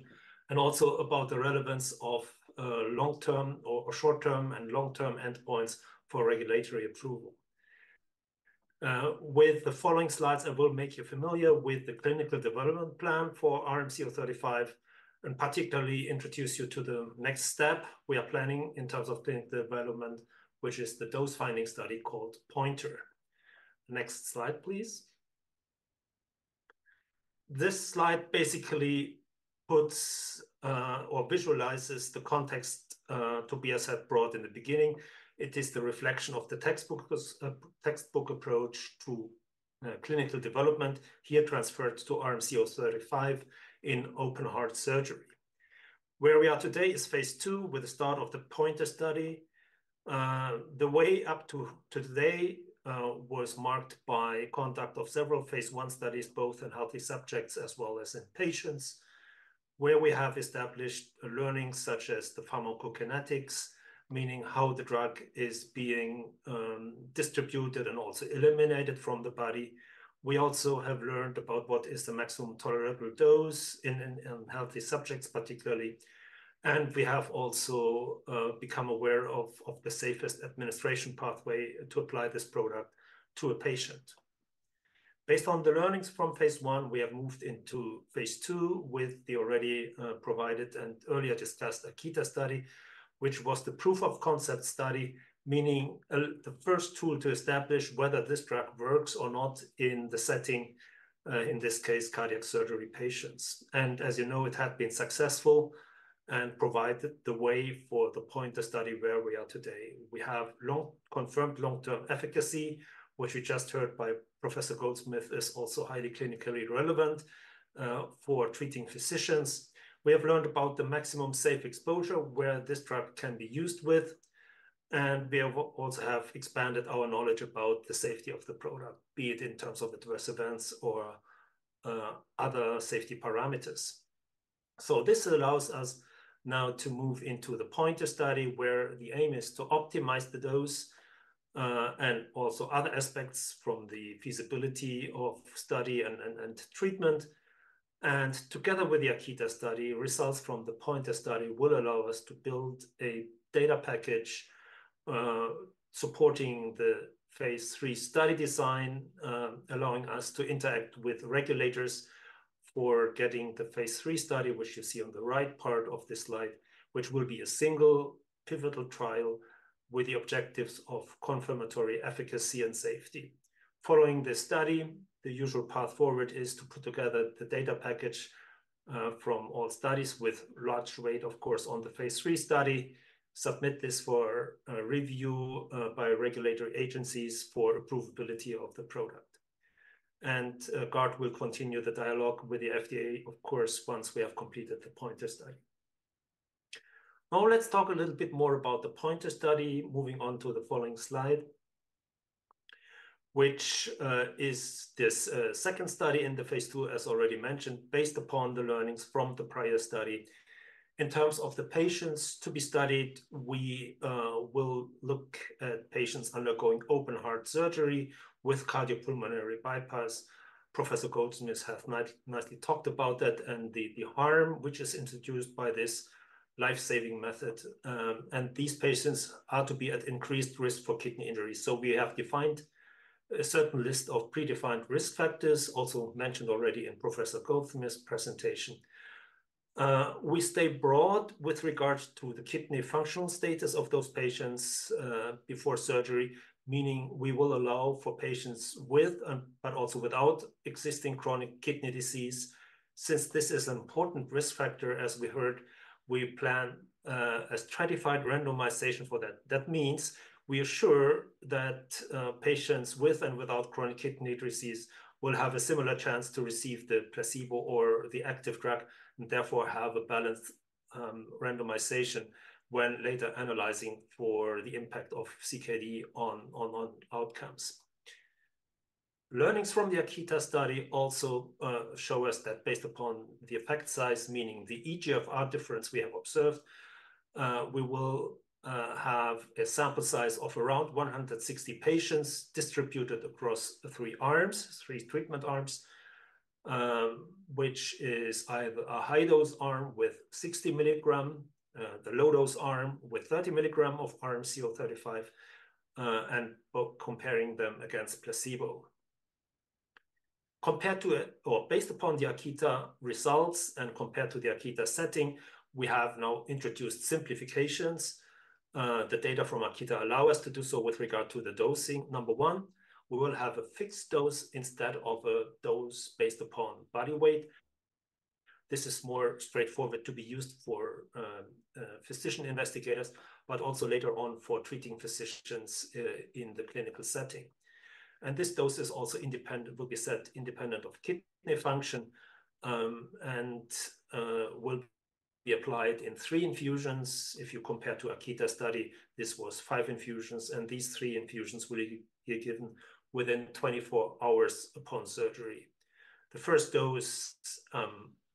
and also about the relevance of long-term or short-term and long-term endpoints for regulatory approval. With the following slides, I will make you familiar with the clinical development plan for RMC-035, and particularly introduce you to the next step we are planning in terms of clinical development, which is the dose-finding study called POINTER. Next slide, please. This slide basically puts, or visualizes the context, Tobias had brought in the beginning. It is the reflection of the textbook textbook approach to clinical development, here transferred to RMC-035 in open heart surgery. Where we are today is phase II, with the start of the POINTER study. The way up to today was marked by conduct of several phase I studies, both in healthy subjects as well as in patients, where we have established learnings such as the pharmacokinetics, meaning how the drug is being distributed and also eliminated from the body. We also have learned about what is the maximum tolerable dose in healthy subjects, particularly, and we have also become aware of the safest administration pathway to apply this product to a patient. Based on the learnings from phase I, we have moved into phase II with the already provided and earlier discussed AKITA study, which was the proof of concept study, meaning the first tool to establish whether this drug works or not in the setting in this case, cardiac surgery patients. As you know, it had been successful and provided the way for the POINTER study where we are today. We have confirmed long-term efficacy, which you just heard by Professor Goldsmith, is also highly clinically relevant for treating physicians. We have learned about the maximum safe exposure where this drug can be used with, and we also have expanded our knowledge about the safety of the product, be it in terms of adverse events or other safety parameters. So this allows us now to move into the POINTER study, where the aim is to optimize the dose, and also other aspects from the feasibility of study and treatment. Together with the AKITA study, results from the POINTER study will allow us to build a data package, supporting the phase III study design, allowing us to interact with regulators for getting the phase III study, which you see on the right part of this slide, which will be a single pivotal trial with the objectives of confirmatory efficacy and safety. Following this study, the usual path forward is to put together the data package, from all studies with large weight, of course, on the phase III study, submit this for, review, by regulatory agencies for approvability of the product. Guard will continue the dialogue with the FDA, of course, once we have completed the POINTER study. Now, let's talk a little bit more about the POINTER study, moving on to the following slide, which is this second study in the phase II, as already mentioned, based upon the learnings from the prior study. In terms of the patients to be studied, we will look at patients undergoing open-heart surgery with cardiopulmonary bypass. Professor Goldsmith has nicely talked about that, and the harm which is introduced by this life-saving method, and these patients are to be at increased risk for kidney injury. So we have defined a certain list of predefined risk factors, also mentioned already in Professor Goldsmith's presentation. We stay broad with regards to the kidney functional status of those patients before surgery, meaning we will allow for patients with, but also without existing chronic kidney disease. Since this is an important risk factor, as we heard, we plan a stratified randomization for that. That means we assure that patients with and without chronic kidney disease will have a similar chance to receive the placebo or the active drug, and therefore have a balanced randomization when later analyzing for the impact of CKD on outcomes. Learnings from the AKITA study also show us that based upon the effect size, meaning the eGFR difference we have observed, we will have a sample size of around 160 patients distributed across the three arms, three treatment arms, which is either a high-dose arm with 60 milligram, the low-dose arm with 30 milligram of RMC-035, and both comparing them against placebo. Based upon the AKITA results and compared to the AKITA setting, we have now introduced simplifications. The data from AKITA allow us to do so with regard to the dosing. Number one, we will have a fixed dose instead of a dose based upon body weight. This is more straightforward to be used for physician investigators, but also later on for treating physicians in the clinical setting. And this dose is also independent, will be set independent of kidney function, and will be applied in 3 infusions. If you compare to AKITA study, this was 5 infusions, and these 3 infusions will be given within 24 hours upon surgery. The first dose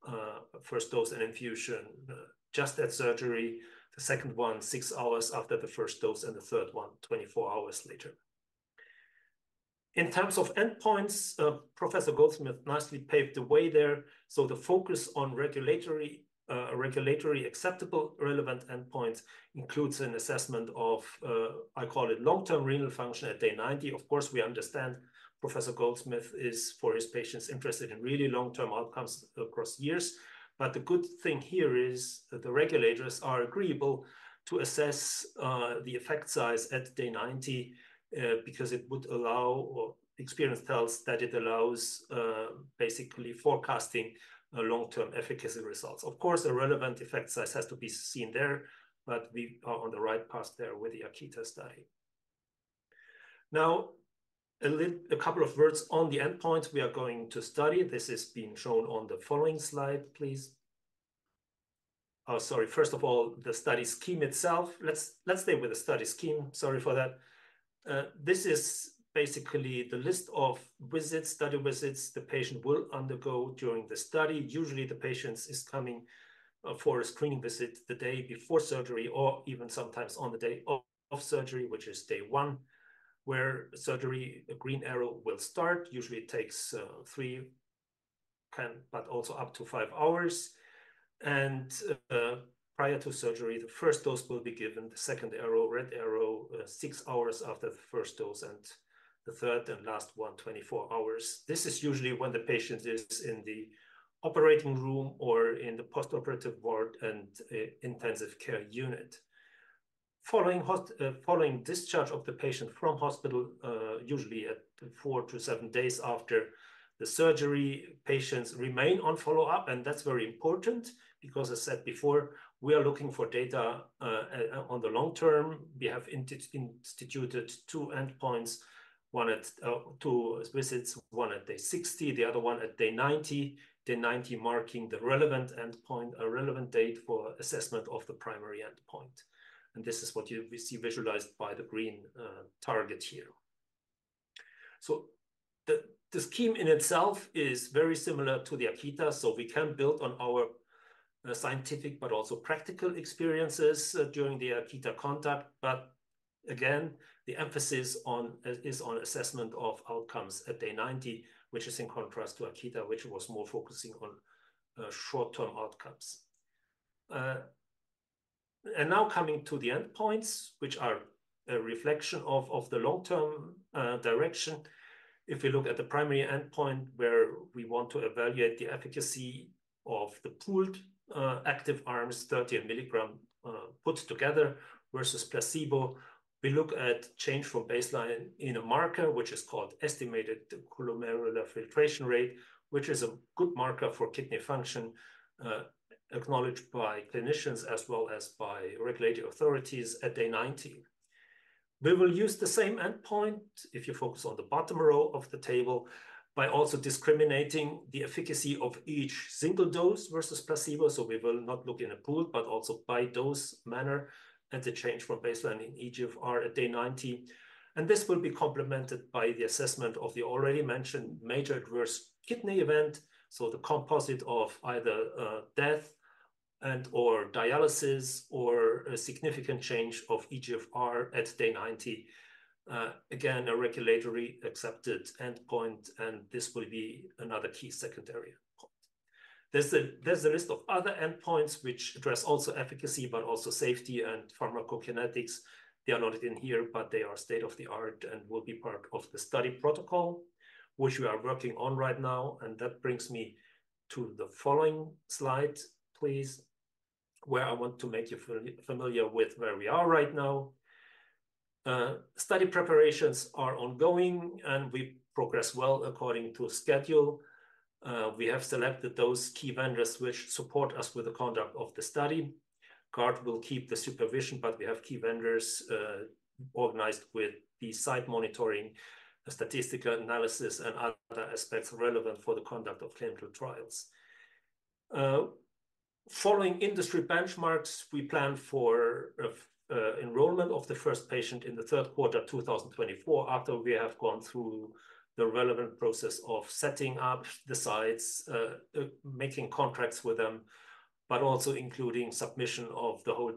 and infusion just at surgery, the second one, 6 hours after the first dose, and the third one, 24 hours later. In terms of endpoints, Professor Goldsmith nicely paved the way there, so the focus on regulatory, regulatory acceptable, relevant endpoints includes an assessment of, I call it long-term renal function at day 90. Of course, we understand Professor Goldsmith is, for his patients, interested in really long-term outcomes across years. But the good thing here is that the regulators are agreeable to assess, the effect size at day 90, because it would allow, or experience tells that it allows, basically forecasting, long-term efficacy results. Of course, a relevant effect size has to be seen there, but we are on the right path there with the AKITA study. Now, a couple of words on the endpoint we are going to study. This is being shown on the following slide, please. Oh, sorry. First of all, the study scheme itself. Let's stay with the study scheme. Sorry for that. This is basically the list of visits, study visits the patient will undergo during the study. Usually, the patients is coming, for a screening visit the day before surgery or even sometimes on the day of surgery, which is day 1, where surgery, a green arrow, will start. Usually, it takes 3-10, but also up to 5 hours. And, prior to surgery, the first dose will be given, the second arrow, red arrow, 6 hours after the first dose, and the third and last one, 24 hours. This is usually when the patient is in the operating room or in the post-operative ward and intensive care unit. Following discharge of the patient from hospital, usually at 4-7 days after the surgery, patients remain on follow-up, and that's very important because I said before, we are looking for data on the long term. We have instituted 2 endpoints, one at 2 visits, one at day 60, the other one at day 90, day 90 marking the relevant endpoint, a relevant date for assessment of the primary endpoint. And this is what we see visualized by the green target here. So the scheme in itself is very similar to the AKITA, so we can build on our scientific but also practical experiences during the AKITA contact. But again, the emphasis is on assessment of outcomes at day 90, which is in contrast to AKITA, which was more focusing on short-term outcomes. Now coming to the endpoints, which are a reflection of the long-term direction. If we look at the primary endpoint, where we want to evaluate the efficacy of the pooled active arms, 30- and 60-milligram put together versus placebo, we look at change from baseline in a marker, which is called estimated glomerular filtration rate, which is a good marker for kidney function, acknowledged by clinicians as well as by regulatory authorities at day 90. We will use the same endpoint if you focus on the bottom row of the table by also discriminating the efficacy of each single dose versus placebo, so we will not look in a pool, but also by dose manner, and the change from baseline in eGFR at day 90. And this will be complemented by the assessment of the already mentioned Major Adverse Kidney Event, so the composite of either, death and/or dialysis or a significant change of eGFR at day 90. Again, a regulatory accepted endpoint, and this will be another key secondary endpoint. There's a list of other endpoints which address also efficacy, but also safety and pharmacokinetics. They are not in here, but they are state-of-the-art and will be part of the study protocol, which we are working on right now, and that brings me to the following slide, please, where I want to make you familiar with where we are right now. Study preparations are ongoing, and we progress well according to schedule. We have selected those key vendors which support us with the conduct of the study. Guard will keep the supervision, but we have key vendors organized with the site monitoring, statistical analysis, and other aspects relevant for the conduct of clinical trials. Following industry benchmarks, we plan for enrollment of the first patient in the third quarter of 2024, after we have gone through the relevant process of setting up the sites, making contracts with them, but also including submission of the whole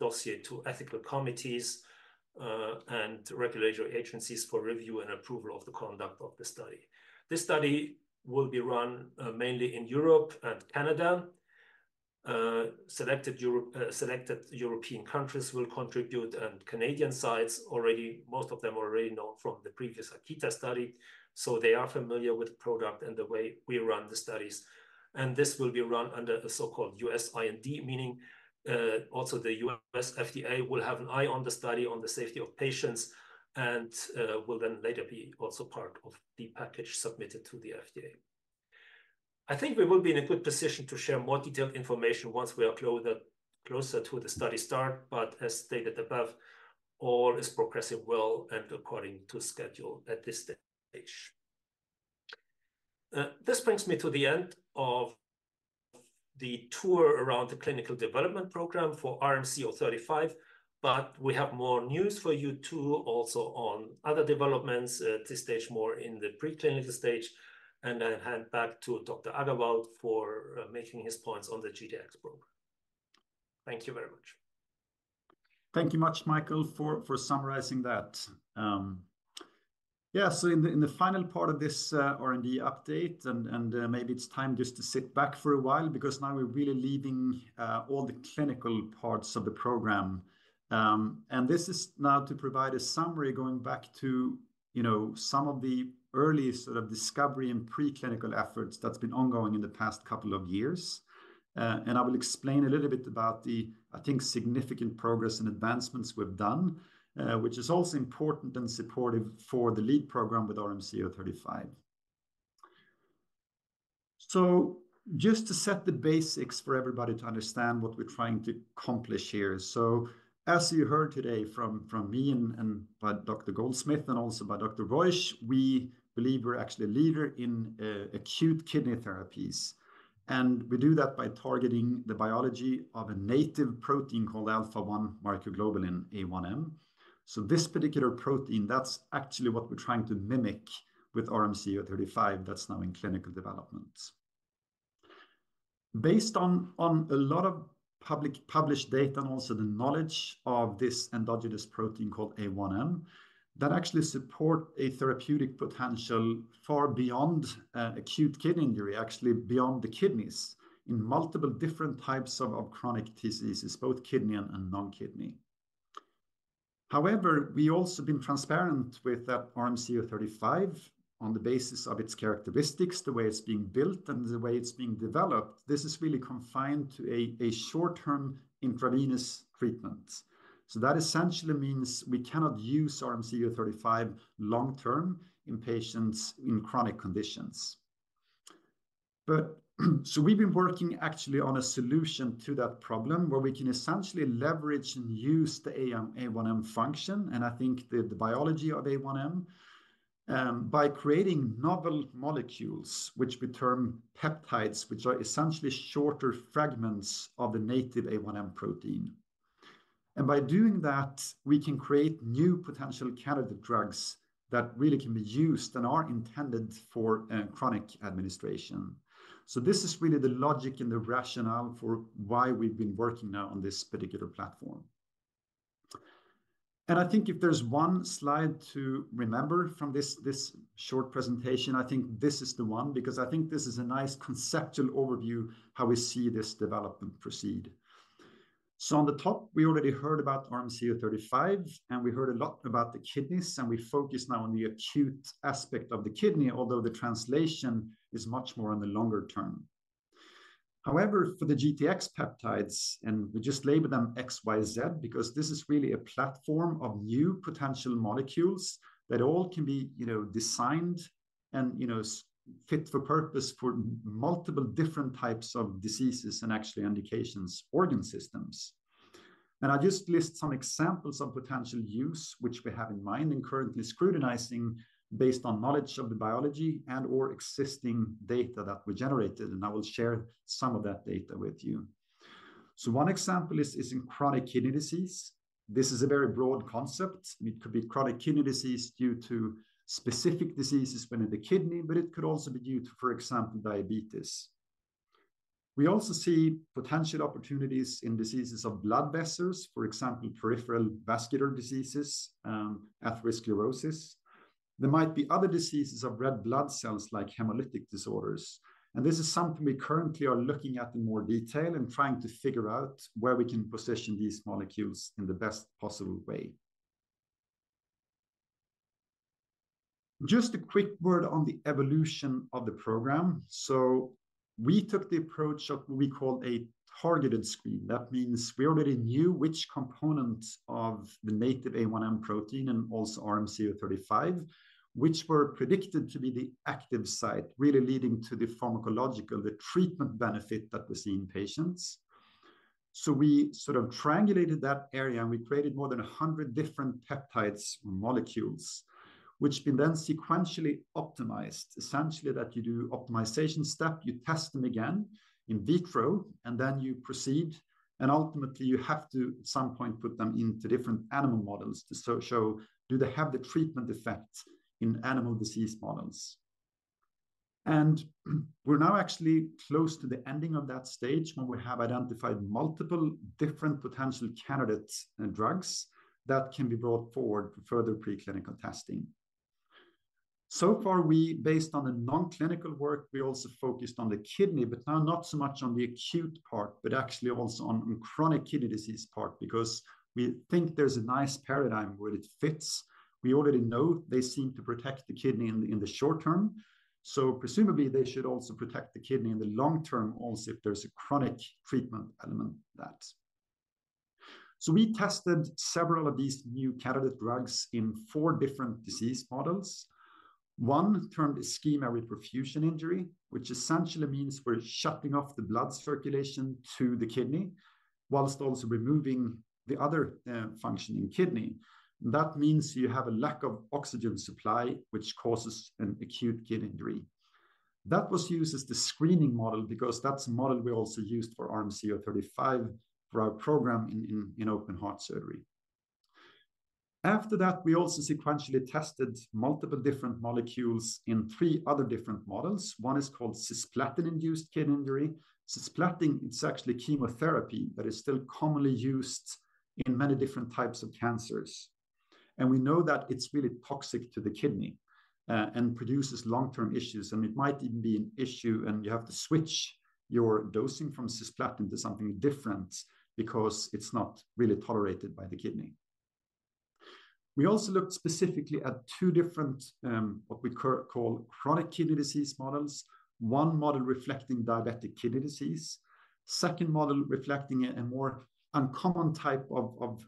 dossier to ethical committees and regulatory agencies for review and approval of the conduct of the study. This study will be run mainly in Europe and Canada. Selected European countries will contribute, and Canadian sites already... most of them are already known from the previous AKITA study, so they are familiar with the product and the way we run the studies. And this will be run under a so-called US IND, meaning, also the US FDA will have an eye on the study, on the safety of patients, and, will then later be also part of the package submitted to the FDA. I think we will be in a good position to share more detailed information once we are closer, closer to the study start, but as stated above, all is progressing well and according to schedule at this stage. This brings me to the end of the tour around the clinical development program for RMC-035, but we have more news for you, too, also on other developments, at this stage, more in the preclinical stage. And I'll hand back to Dr. Agervald for, making his points on the GTX program. Thank you very much. Thank you much, Michael, for summarizing that. Yeah, so in the final part of this R&D update, and maybe it's time just to sit back for a while because now we're really leaving all the clinical parts of the program. And this is now to provide a summary going back to, you know, some of the early sort of discovery and preclinical efforts that's been ongoing in the past couple of years. And I will explain a little bit about the, I think, significant progress and advancements we've done, which is also important and supportive for the lead program with RMC-035. So just to set the basics for everybody to understand what we're trying to accomplish here. So as you heard today from me and by Dr. Goldsmith, and also by Dr. Reusch we believe we're actually a leader in acute kidney therapies, and we do that by targeting the biology of a native protein called alpha-1 microglobulin, A1M. So this particular protein, that's actually what we're trying to mimic with RMC-035 that's now in clinical development. Based on a lot of public published data, and also the knowledge of this endogenous protein called A1M, that actually support a therapeutic potential far beyond acute kidney injury, actually beyond the kidneys, in multiple different types of chronic diseases, both kidney and non-kidney. However, we also been transparent with RMC-035 on the basis of its characteristics, the way it's being built, and the way it's being developed. This is really confined to a short-term intravenous treatment. So that essentially means we cannot use RMC-035 long-term in patients in chronic conditions. But we've been working actually on a solution to that problem, where we can essentially leverage and use the A1M function, and I think the biology of A1M by creating novel molecules, which we term peptides, which are essentially shorter fragments of the native A1M protein. By doing that, we can create new potential candidate drugs that really can be used and are intended for chronic administration. This is really the logic and the rationale for why we've been working now on this particular platform. I think if there's one slide to remember from this short presentation, I think this is the one, because I think this is a nice conceptual overview, how we see this development proceed. So on the top, we already heard about RMC-035, and we heard a lot about the kidneys, and we focus now on the acute aspect of the kidney, although the translation is much more on the longer term. However, for the GTX peptides, and we just label them X, Y, Z, because this is really a platform of new potential molecules that all can be, you know, designed and, you know, fit for purpose for multiple different types of diseases and actually indications organ systems. And I just list some examples of potential use, which we have in mind and currently scrutinizing based on knowledge of the biology and/or existing data that we generated, and I will share some of that data with you. So one example is, is in chronic kidney disease. This is a very broad concept. It could be chronic kidney disease due to specific diseases within the kidney, but it could also be due to, for example, diabetes. We also see potential opportunities in diseases of blood vessels, for example, peripheral vascular diseases, atherosclerosis. There might be other diseases of red blood cells, like hemolytic disorders, and this is something we currently are looking at in more detail and trying to figure out where we can position these molecules in the best possible way. Just a quick word on the evolution of the program. So we took the approach of what we call a targeted screen. That means we already knew which component of the native A1M protein, and also RMC-035, which were predicted to be the active site, really leading to the pharmacological, the treatment benefit that we see in patients. So we sort of triangulated that area, and we created more than 100 different peptides molecules, which were then sequentially optimized. Essentially, that you do optimization step, you test them again in vitro, and then you proceed, and ultimately, you have to, at some point, put them into different animal models to show if they have the treatment effect in animal disease models. And we're now actually close to the ending of that stage, when we have identified multiple different potential candidates and drugs that can be brought forward for further preclinical testing. So far, based on the non-clinical work, we also focused on the kidney, but now not so much on the acute part, but actually also on chronic kidney disease part, because we think there's a nice paradigm where it fits. We already know they seem to protect the kidney in the, in the short term, so presumably, they should also protect the kidney in the long term also, if there's a chronic treatment element to that. So we tested several of these new candidate drugs in four different disease models. One termed ischemia-reperfusion injury, which essentially means we're shutting off the blood circulation to the kidney, whilst also removing the other functioning kidney. That means you have a lack of oxygen supply, which causes an acute kidney injury. That was used as the screening model, because that's the model we also used for RMC-035 for our program in, in, in open heart surgery. After that, we also sequentially tested multiple different molecules in three other different models. One is called cisplatin-induced kidney injury. Cisplatin, it's actually chemotherapy, but it's still commonly used in many different types of cancers, and we know that it's really toxic to the kidney, and produces long-term issues. It might even be an issue, and you have to switch your dosing from cisplatin to something different because it's not really tolerated by the kidney. We also looked specifically at two different, what we call chronic kidney disease models. One model reflecting diabetic kidney disease. Second model reflecting a more uncommon type of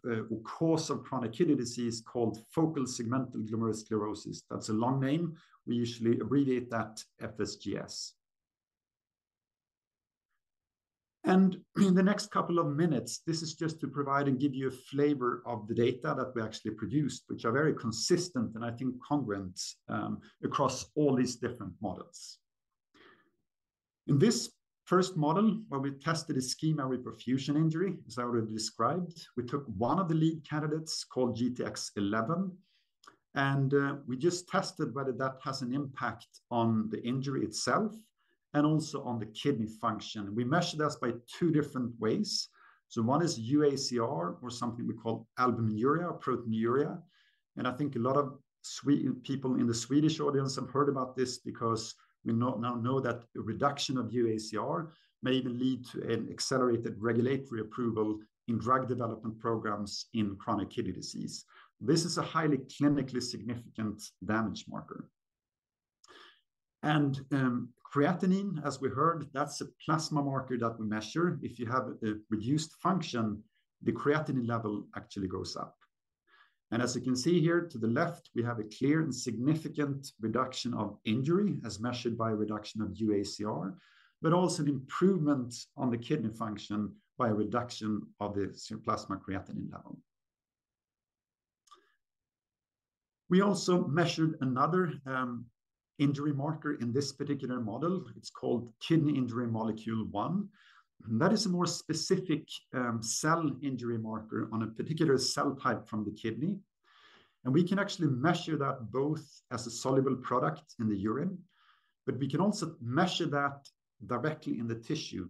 cause of chronic kidney disease called focal segmental glomerulosclerosis. That's a long name. We usually abbreviate that FSGS. In the next couple of minutes, this is just to provide and give you a flavor of the data that we actually produced, which are very consistent, and I think congruent, across all these different models. In this first model, where we tested ischemia-reperfusion injury, as I already described, we took one of the lead candidates, called GTX-11, and we just tested whether that has an impact on the injury itself and also on the kidney function. We measured this by two different ways. So one is uACR, or something we call albuminuria or proteinuria, and I think a lot of Swedish people in the Swedish audience have heard about this because we now, now know that a reduction of uACR may even lead to an accelerated regulatory approval in drug development programs in chronic kidney disease. This is a highly clinically significant damage marker. And, creatinine, as we heard, that's a plasma marker that we measure. If you have a reduced function, the creatinine level actually goes up. As you can see here to the left, we have a clear and significant reduction of injury, as measured by a reduction of uACR, but also an improvement on the kidney function by a reduction of the plasma creatinine level. We also measured another injury marker in this particular model. It's called Kidney Injury Molecule-1. That is a more specific cell injury marker on a particular cell type from the kidney, and we can actually measure that both as a soluble product in the urine, but we can also measure that directly in the tissue.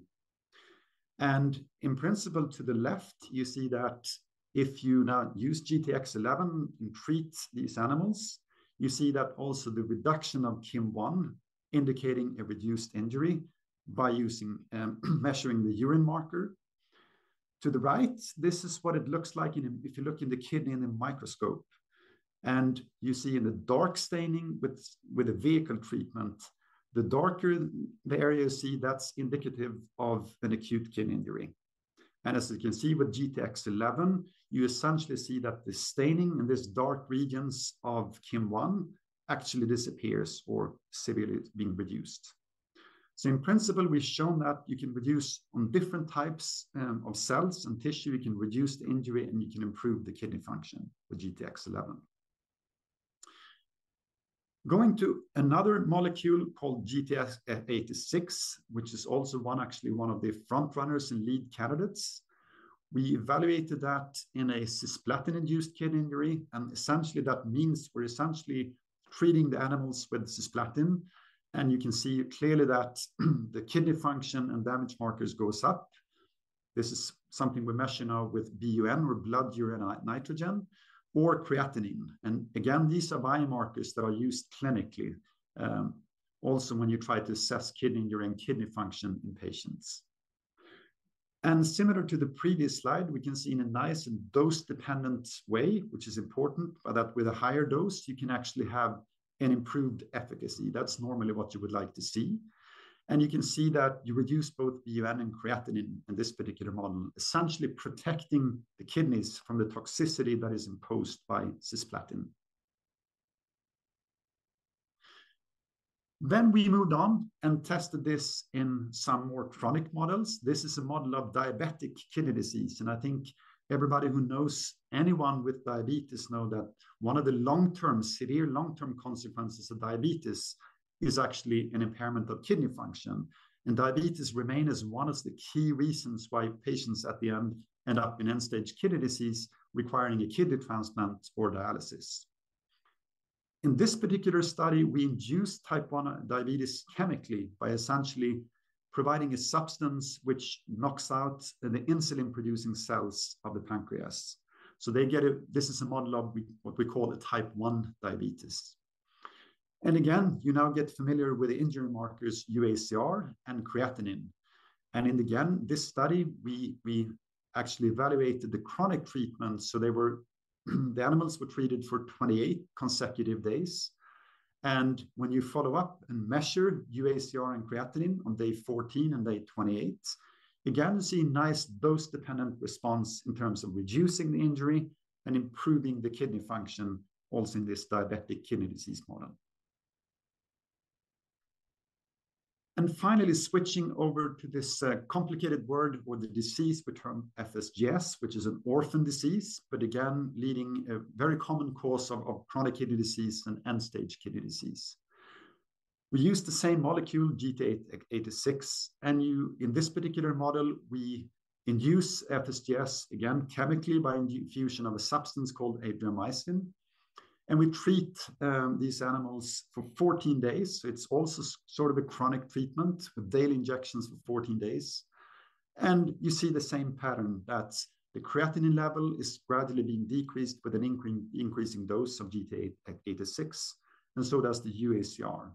In principle, to the left, you see that if you now use GTX-11 and treat these animals, you see that also the reduction of KIM-1, indicating a reduced injury, by using measuring the urine marker. To the right, this is what it looks like in a... If you look in the kidney in the microscope, and you see the dark staining with the vehicle treatment, the darker the area you see, that's indicative of an acute kidney injury. And as you can see with GTX-11, you essentially see that the staining in these dark regions of KIM-1 actually disappears or severely is being reduced. So in principle, we've shown that you can reduce on different types of cells and tissue, you can reduce the injury, and you can improve the kidney function with GTX-11. Going to another molecule called GTX-086, which is also one, actually one of the front runners and lead candidates. We evaluated that in a cisplatin-induced kidney injury, and essentially, that means we're essentially treating the animals with cisplatin, and you can see clearly that the kidney function and damage markers goes up. This is something we measure now with BUN, or blood urea nitrogen, or creatinine, and again, these are biomarkers that are used clinically, also when you try to assess kidney function in patients. Similar to the previous slide, we can see in a nice and dose-dependent way, which is important, but that with a higher dose, you can actually have an improved efficacy. That's normally what you would like to see. And you can see that you reduce both BUN and creatinine in this particular model, essentially protecting the kidneys from the toxicity that is imposed by cisplatin. We moved on and tested this in some more chronic models. This is a model of diabetic kidney disease, and I think everybody who knows anyone with diabetes know that one of the long-term, severe long-term consequences of diabetes is actually an impairment of kidney function. And diabetes remain as one of the key reasons why patients at the end up in end-stage kidney disease, requiring a kidney transplant or dialysis. In this particular study, we induced type 1 diabetes chemically by essentially providing a substance which knocks out the insulin-producing cells of the pancreas. So they get a—this is a model of what we call a type 1 diabetes. And again, you now get familiar with the injury markers, uACR and creatinine. And in again this study, we actually evaluated the chronic treatment, so the animals were treated for 28 consecutive days. And when you follow up and measure uACR and creatinine on day 14 and day 28, again, you see a nice dose-dependent response in terms of reducing the injury and improving the kidney function also in this diabetic kidney disease model. And finally, switching over to this, complicated word or the disease, we term FSGS, which is an orphan disease, but again, leading a very common cause of, of chronic kidney disease and end-stage kidney disease. We use the same molecule, GTX-086, and in this particular model, we induce FSGS, again, chemically by infusion of a substance called Adriamycin. We treat these animals for 14 days, so it's also sort of a chronic treatment, with daily injections for 14 days. And you see the same pattern, that the creatinine level is gradually being decreased with an increasing dose of GTX-086, and so does the uACR.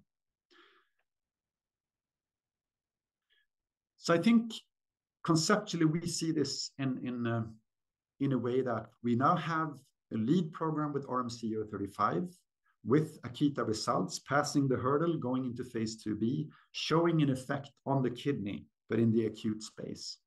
So I think conceptually, we see this in a way that we now have a lead program with RMC-035, with AKITA results passing the hurdle, going into phase II-B, showing an effect on the kidney, but in the acute space.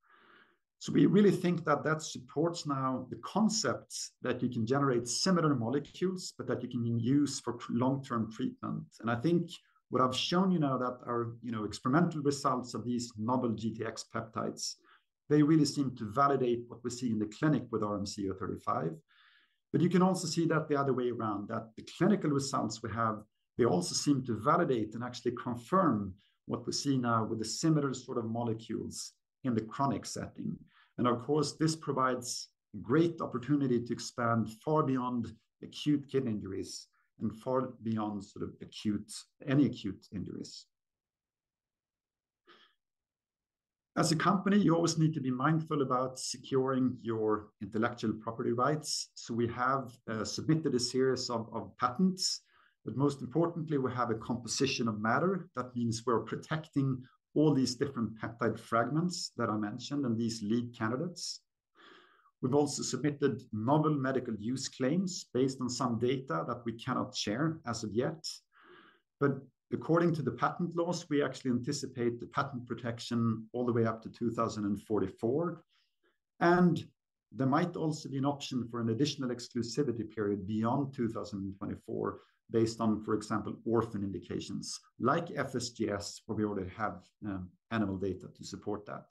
So we really think that that supports now the concepts that you can generate similar molecules, but that you can use for long-term treatment. And I think what I've shown you now that are, you know, experimental results of these novel GTX peptides, they really seem to validate what we see in the clinic with RMC-035. But you can also see that the other way around, that the clinical results we have, they also seem to validate and actually confirm what we see now with the similar sort of molecules in the chronic setting. Of course, this provides great opportunity to expand far beyond acute kidney injuries and far beyond sort of acute any acute injuries. As a company, you always need to be mindful about securing your intellectual property rights. So we have submitted a series of patents, but most importantly, we have a composition of matter. That means we're protecting all these different peptide fragments that I mentioned and these lead candidates. We've also submitted novel medical use claims based on some data that we cannot share as of yet. But according to the patent laws, we actually anticipate the patent protection all the way up to 2044. And there might also be an option for an additional exclusivity period beyond 2024, based on, for example, orphan indications like FSGS, where we already have animal data to support that.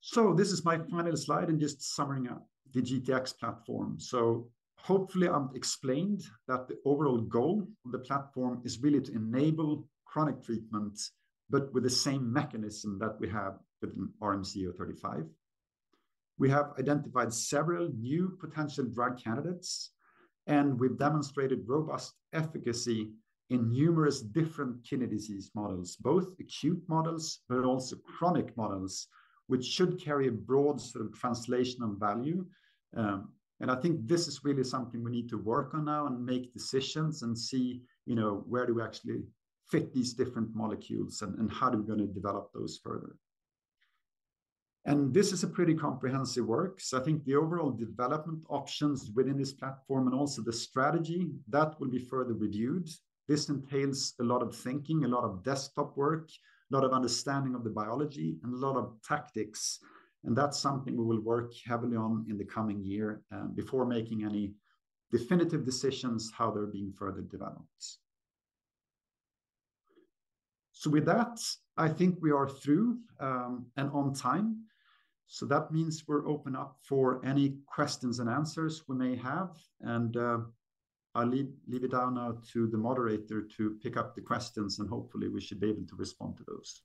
So this is my final slide and just summarizing up the GTX platform. So hopefully, I've explained that the overall goal of the platform is really to enable chronic treatment, but with the same mechanism that we have with RMC-035. We have identified several new potential drug candidates, and we've demonstrated robust efficacy in numerous different kidney disease models, both acute models, but also chronic models, which should carry a broad sort of translational value. And I think this is really something we need to work on now and make decisions and see, you know, where do we actually fit these different molecules and, and how are we gonna develop those further. And this is a pretty comprehensive work, so I think the overall development options within this platform and also the strategy, that will be further reviewed. This entails a lot of thinking, a lot of desktop work, a lot of understanding of the biology, and a lot of tactics, and that's something we will work heavily on in the coming year before making any definitive decisions how they're being further developed. So with that, I think we are through and on time. So that means we're open up for any questions and answers we may have, and I'll leave it down now to the moderator to pick up the questions, and hopefully, we should be able to respond to those.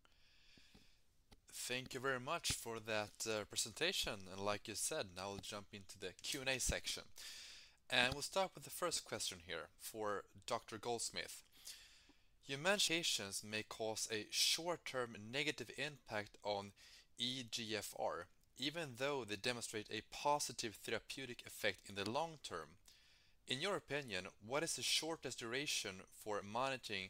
Thank you very much for that, presentation. Like you said, now we'll jump into the Q&A section. We'll start with the first question here for Dr. Goldsmith. [Humanizations] may cause a short-term negative impact on eGFR, even though they demonstrate a positive therapeutic effect in the long term. In your opinion, what is the shortest duration for monitoring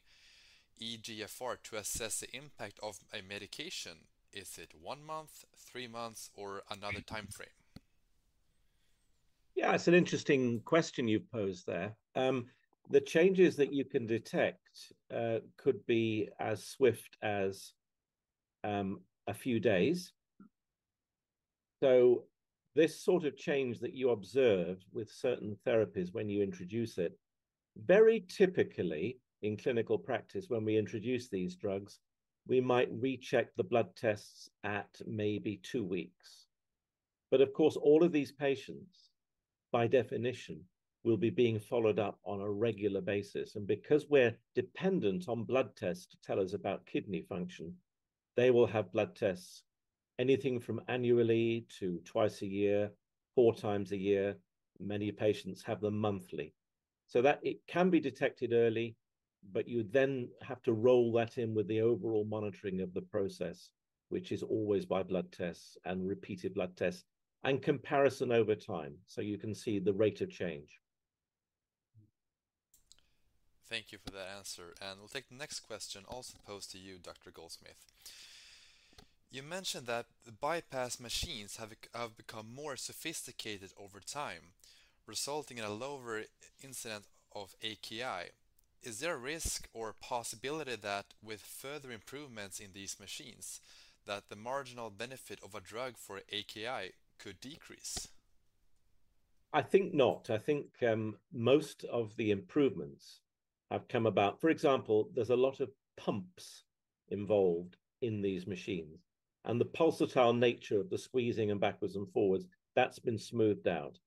eGFR to assess the impact of a medication? Is it one month, three months, or another time frame? Yeah, it's an interesting question you've posed there. The changes that you can detect could be as swift as a few days. So this sort of change that you observe with certain therapies when you introduce it, very typically, in clinical practice, when we introduce these drugs, we might recheck the blood tests at maybe 2 weeks. But of course, all of these patients, by definition, will be being followed up on a regular basis, and because we're dependent on blood tests to tell us about kidney function, they will have blood tests anything from annually to twice a year, 4 times a year. Many patients have them monthly. So that it can be detected early, but you would then have to roll that in with the overall monitoring of the process, which is always by blood tests and repeated blood tests, and comparison over time, so you can see the rate of change. Thank you for that answer, and we'll take the next question, also posed to you, Dr. Goldsmith. You mentioned that the bypass machines have become more sophisticated over time, resulting in a lower incidence of AKI. Is there a risk or possibility that with further improvements in these machines, that the marginal benefit of a drug for AKI could decrease? I think not. I think most of the improvements have come about. For example, there's a lot of pumps involved in these machines, and the pulsatile nature of the squeezing and backwards and forwards, that's been smoothed out.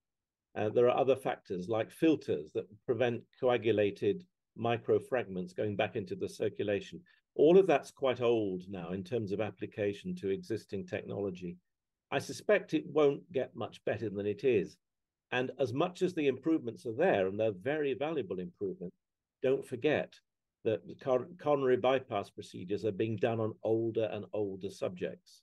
There are other factors, like filters that prevent coagulated micro fragments going back into the circulation. All of that's quite old now in terms of application to existing technology. I suspect it won't get much better than it is, and as much as the improvements are there, and they're very valuable improvements, don't forget that the coronary bypass procedures are being done on older and older subjects.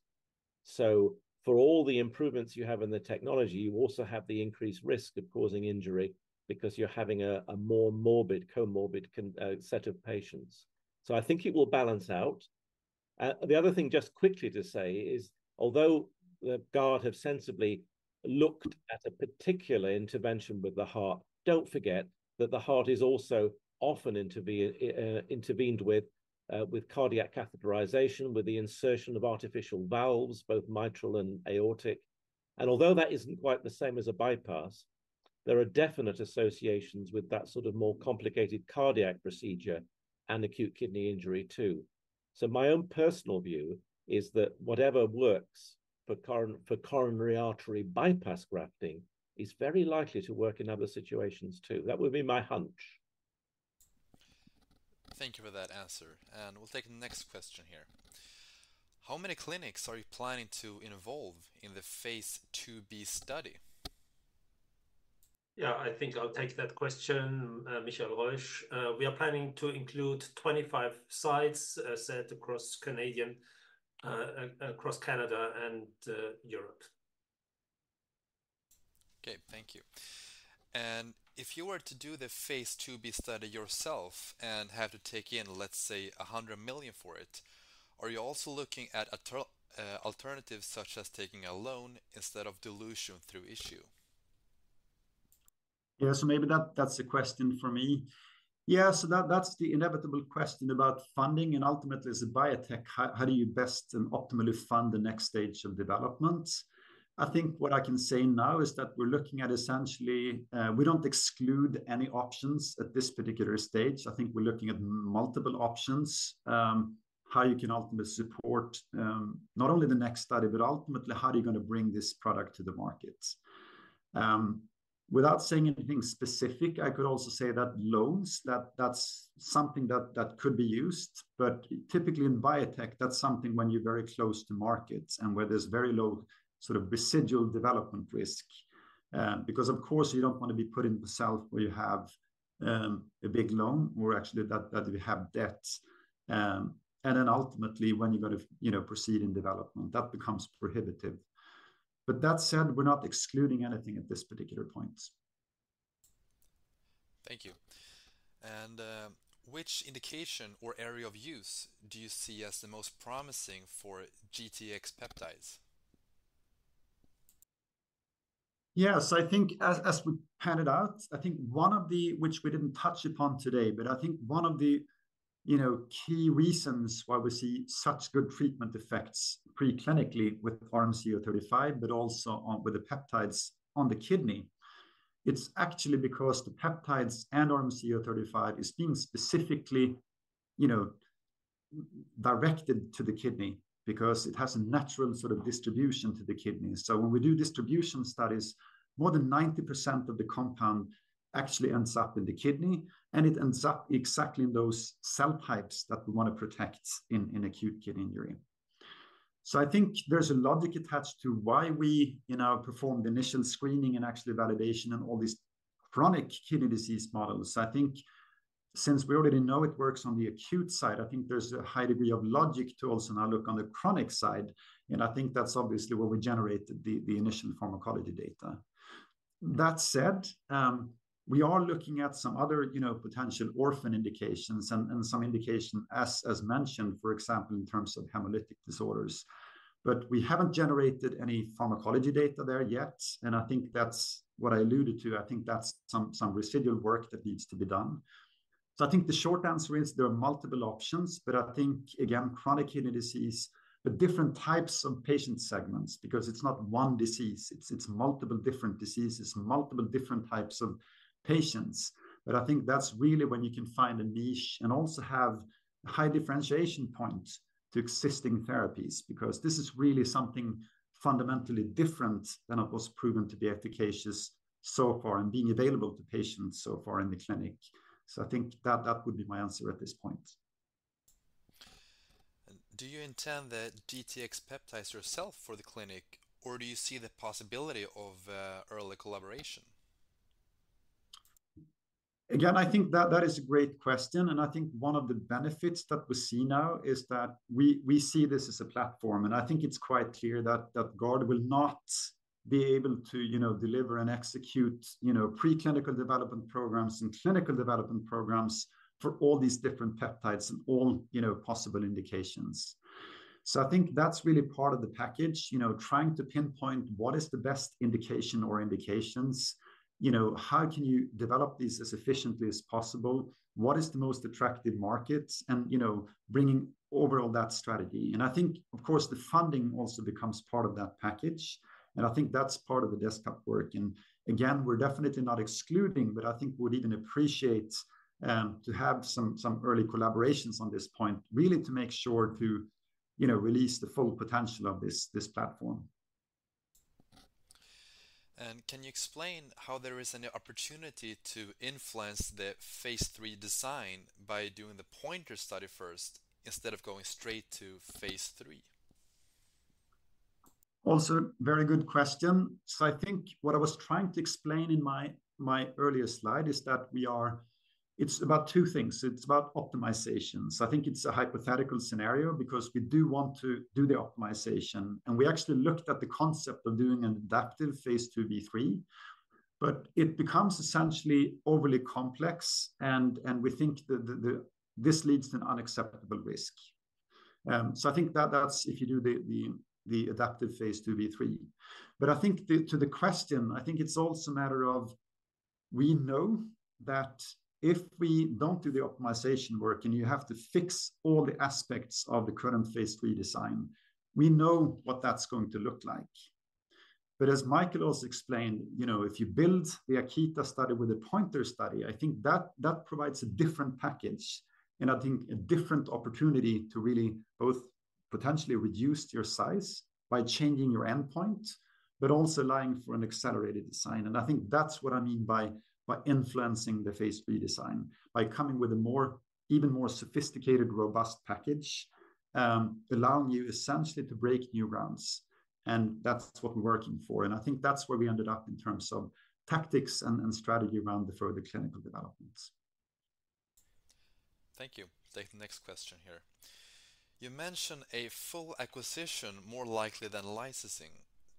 So for all the improvements you have in the technology, you also have the increased risk of causing injury because you're having a more morbid, comorbid constellation of patients. So I think it will balance out. The other thing, just quickly to say, is although the Guard have sensibly looked at a particular intervention with the heart, don't forget that the heart is also often intervened with, with cardiac catheterization, with the insertion of artificial valves, both mitral and aortic. And although that isn't quite the same as a bypass, there are definite associations with that sort of more complicated cardiac procedure and acute kidney injury, too. So my own personal view is that whatever works for coronary artery bypass grafting is very likely to work in other situations, too. That would be my hunch. Thank you for that answer, and we'll take the next question here. How many clinics are you planning to involve in the Phase II-B study? Yeah, I think I'll take that question, Michael Reusch. We are planning to include 25 sites, set across Canada and Europe. Okay, thank you. And if you were to do the phase II-B study yourself and had to take in, let's say, 100 million for it, are you also looking at alternatives, such as taking a loan instead of dilution through issue? Yeah, so maybe that, that's a question for me. Yeah, so that, that's the inevitable question about funding, and ultimately, as a biotech, how, how do you best and optimally fund the next stage of development? I think what I can say now is that we're looking at essentially, we don't exclude any options at this particular stage. I think we're looking at multiple options, how you can ultimately support, not only the next study, but ultimately, how are you gonna bring this product to the market? Without saying anything specific, I could also say that loans, that, that's something that, that could be used. But typically in biotech, that's something when you're very close to markets and where there's very low sort of residual development risk, because of course, you don't want to be putting yourself where you have, a big loan or actually that, that you have debts. And then ultimately, when you've got to, you know, proceed in development, that becomes prohibitive. But that said, we're not excluding anything at this particular point. Thank you. Which indication or area of use do you see as the most promising for GTX peptides? Yeah, so I think as we pointed out, I think one of the... Which we didn't touch upon today, but I think one of the, you know, key reasons why we see such good treatment effects preclinically with RMC-035, but also with the peptides on the kidney, it's actually because the peptides and RMC-035 is being specifically, you know, directed to the kidney because it has a natural sort of distribution to the kidneys. So when we do distribution studies, more than 90% of the compound actually ends up in the kidney, and it ends up exactly in those cell types that we want to protect in acute kidney injury. So I think there's a logic attached to why we, you know, performed initial screening and actually validation on all these chronic kidney disease models. I think-... Since we already know it works on the acute side, I think there's a high degree of logic to also now look on the chronic side, and I think that's obviously where we generated the initial pharmacology data. That said, we are looking at some other, you know, potential orphan indications and some indication as mentioned, for example, in terms of hemolytic disorders. But we haven't generated any pharmacology data there yet, and I think that's what I alluded to. I think that's some residual work that needs to be done. So I think the short answer is there are multiple options, but I think, again, chronic kidney disease, but different types of patient segments, because it's not one disease, it's multiple different diseases, multiple different types of patients. But I think that's really when you can find a niche and also have high differentiation points to existing therapies, because this is really something fundamentally different than what was proven to be efficacious so far and being available to patients so far in the clinic. So I think that, that would be my answer at this point. Do you intend the GTX peptides yourself for the clinic, or do you see the possibility of early collaboration? Again, I think that is a great question, and I think one of the benefits that we see now is that we see this as a platform. And I think it's quite clear that Guard will not be able to, you know, deliver and execute, you know, preclinical development programs and clinical development programs for all these different peptides and all, you know, possible indications. So I think that's really part of the package. You know, trying to pinpoint what is the best indication or indications, you know, how can you develop these as efficiently as possible? What is the most attractive market? And, you know, bringing overall that strategy. And I think, of course, the funding also becomes part of that package, and I think that's part of the desktop work. Again, we're definitely not excluding, but I think would even appreciate to have some early collaborations on this point, really to make sure to, you know, release the full potential of this platform. Can you explain how there is any opportunity to influence the phase III design by doing the POINTER study first instead of going straight to phase III? Also, very good question. So I think what I was trying to explain in my earlier slide is that we are, it's about two things. It's about optimization. So I think it's a hypothetical scenario because we do want to do the optimization, and we actually looked at the concept of doing an adaptive phase II/III. But it becomes essentially overly complex, and we think that this leads to an unacceptable risk. So I think that that's if you do the adaptive phase II/III. But I think, to the question, I think it's also a matter of we know that if we don't do the optimization work, and you have to fix all the aspects of the current phase III design, we know what that's going to look like. But as Michael also explained, you know, if you build the AKITA study with a POINTER study, I think that that provides a different package and I think a different opportunity to really both potentially reduce your size by changing your endpoint, but also allowing for an accelerated design. And I think that's what I mean by influencing the phase III design, by coming with a more even more sophisticated, robust package, allowing you essentially to break new grounds. And that's what we're working for. And I think that's where we ended up in terms of tactics and strategy around the further clinical developments. Thank you. Take the next question here. You mentioned a full acquisition more likely than licensing.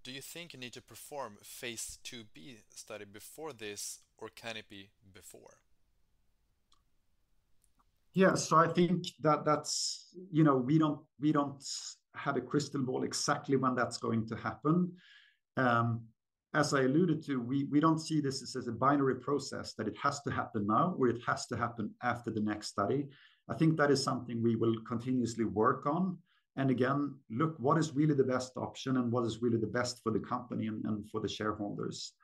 Do you think you need to perform a phase II-B study before this, or can it be before? Yeah. So I think that that's, you know, we don't, we don't have a crystal ball exactly when that's going to happen. As I alluded to, we, we don't see this as a binary process, that it has to happen now, or it has to happen after the next study. I think that is something we will continuously work on, and again, look, what is really the best option and what is really the best for the company and, and for the shareholders?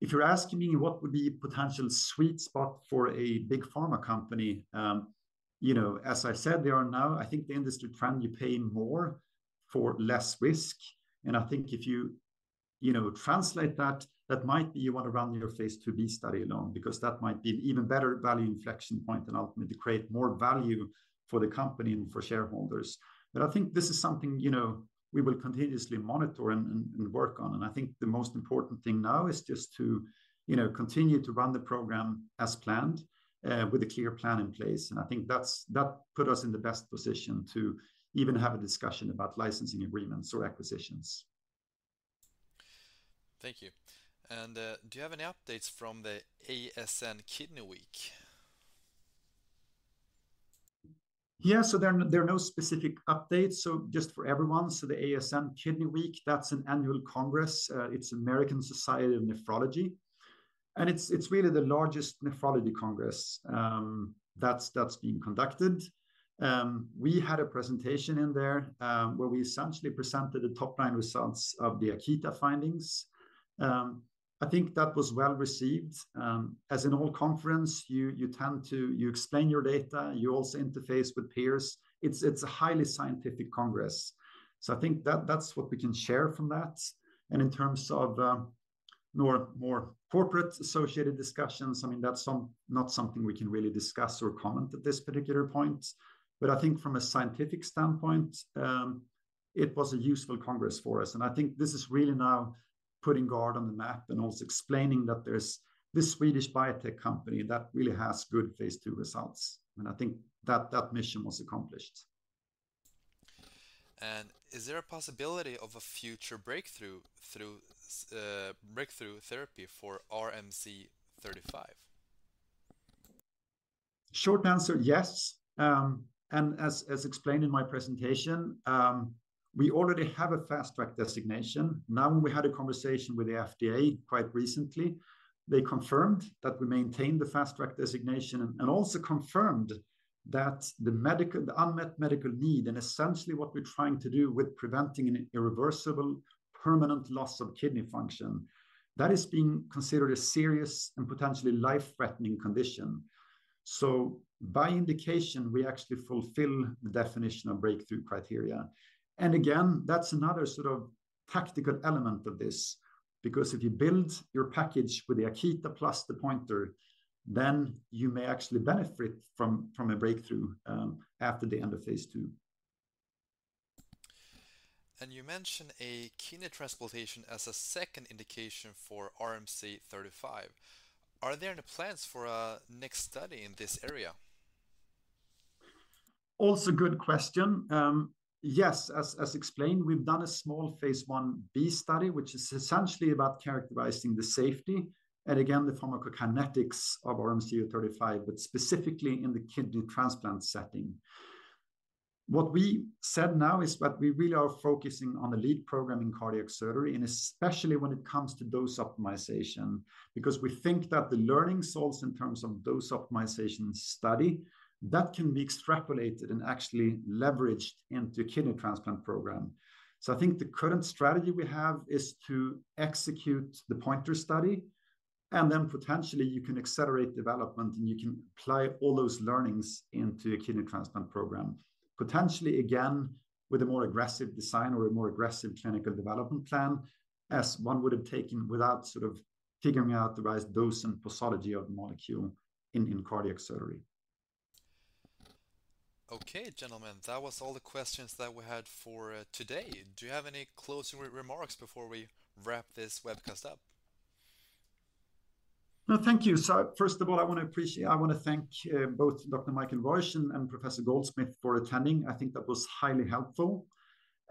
If you're asking me what would be potential sweet spot for a big pharma company, you know, as I said, there are now, I think, the industry trend, you're paying more for less risk. And I think if you, you know, translate that, that might be you want to run your phase II-B study alone, because that might be an even better value inflection point and ultimately to create more value for the company and for shareholders. But I think this is something, you know, we will continuously monitor and work on. And I think the most important thing now is just to, you know, continue to run the program as planned, with a clear plan in place. And I think that's that put us in the best position to even have a discussion about licensing agreements or acquisitions. Thank you. Do you have any updates from the ASN Kidney Week? Yeah. So there are, there are no specific updates. So just for everyone, so the ASN Kidney Week, that's an annual congress, it's American Society of Nephrology, and it's, it's really the largest nephrology congress, that's, that's being conducted. We had a presentation in there, where we essentially presented the top-line results of the AKITA findings. I think that was well received. As in all conference, you tend to... you explain your data, you also interface with peers. It's a highly scientific congress. So I think that's what we can share from that. And in terms of more, more corporate-associated discussions, I mean, that's not something we can really discuss or comment at this particular point. But I think from a scientific standpoint. It was a useful congress for us, and I think this is really now putting Guard on the map, and also explaining that there's this Swedish biotech company that really has good Phase II results, and I think that mission was accomplished. Is there a possibility of a future breakthrough therapy for RMC-035? Short answer, yes. And as explained in my presentation, we already have a Fast Track designation. Now, when we had a conversation with the FDA quite recently, they confirmed that we maintained the Fast Track designation, and also confirmed the unmet medical need, and essentially what we're trying to do with preventing an irreversible, permanent loss of kidney function, that is being considered a serious and potentially life-threatening condition. So by indication, we actually fulfill the definition of breakthrough criteria. And again, that's another sort of tactical element of this, because if you build your package with the AKITA plus the POINTER, then you may actually benefit from a breakthrough after the end of phase II. You mentioned a kidney transplantation as a second indication for RMC-035. Are there any plans for a next study in this area? Also good question. Yes, as explained, we've done a small phase I-B study, which is essentially about characterizing the safety and again, the pharmacokinetics of RMC-035, but specifically in the kidney transplant setting. What we said now is that we really are focusing on the lead program in cardiac surgery, and especially when it comes to dose optimization. Because we think that the learning source in terms of dose optimization study, that can be extrapolated and actually leveraged into kidney transplant program. So I think the current strategy we have is to execute the POINTER study, and then potentially you can accelerate development, and you can apply all those learnings into a kidney transplant program. Potentially, again, with a more aggressive design or a more aggressive clinical development plan, as one would have taken without sort of figuring out the right dose and posology of the molecule in cardiac surgery. Okay, gentlemen, that was all the questions that we had for today. Do you have any closing remarks before we wrap this webcast up? No, thank you. So first of all, I want to appreciate... I want to thank both Dr. Michael Reusch and Professor Goldsmith for attending. I think that was highly helpful.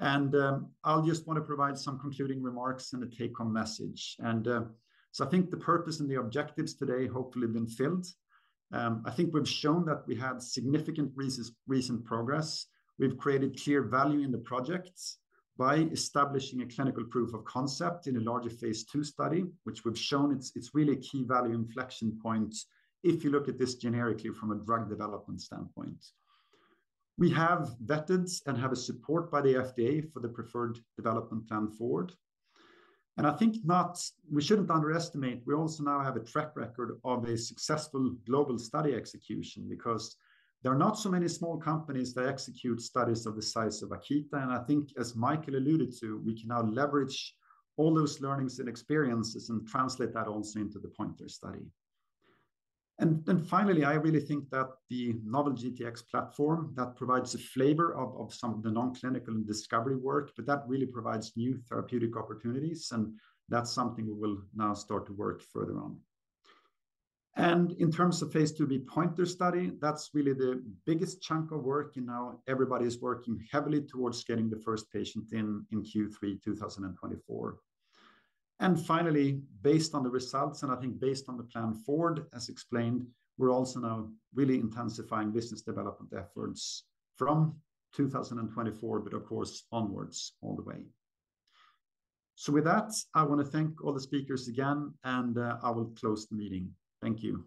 I'll just want to provide some concluding remarks and a take-home message. So I think the purpose and the objectives today hopefully have been filled. I think we've shown that we had significant recent progress. We've created clear value in the projects by establishing a clinical proof of concept in a larger phase II study, which we've shown it's really a key value inflection point if you look at this generically from a drug development standpoint. We have vetted and have a support by the FDA for the preferred development plan forward, and I think not, we shouldn't underestimate, we also now have a track record of a successful global study execution, because there are not so many small companies that execute studies of the size of AKITA. And I think, as Michael alluded to, we can now leverage all those learnings and experiences and translate that also into the POINTER study. And then finally, I really think that the novel GTX platform, that provides a flavor of some of the non-clinical and discovery work, but that really provides new therapeutic opportunities, and that's something we will now start to work further on. And in terms of Phase II-B POINTER study, that's really the biggest chunk of work, and now everybody is working heavily towards getting the first patient in in Q3 2024. And finally, based on the results, and I think based on the plan forward, as explained, we're also now really intensifying business development efforts from 2024, but of course, onwards all the way. So with that, I want to thank all the speakers again, and I will close the meeting. Thank you.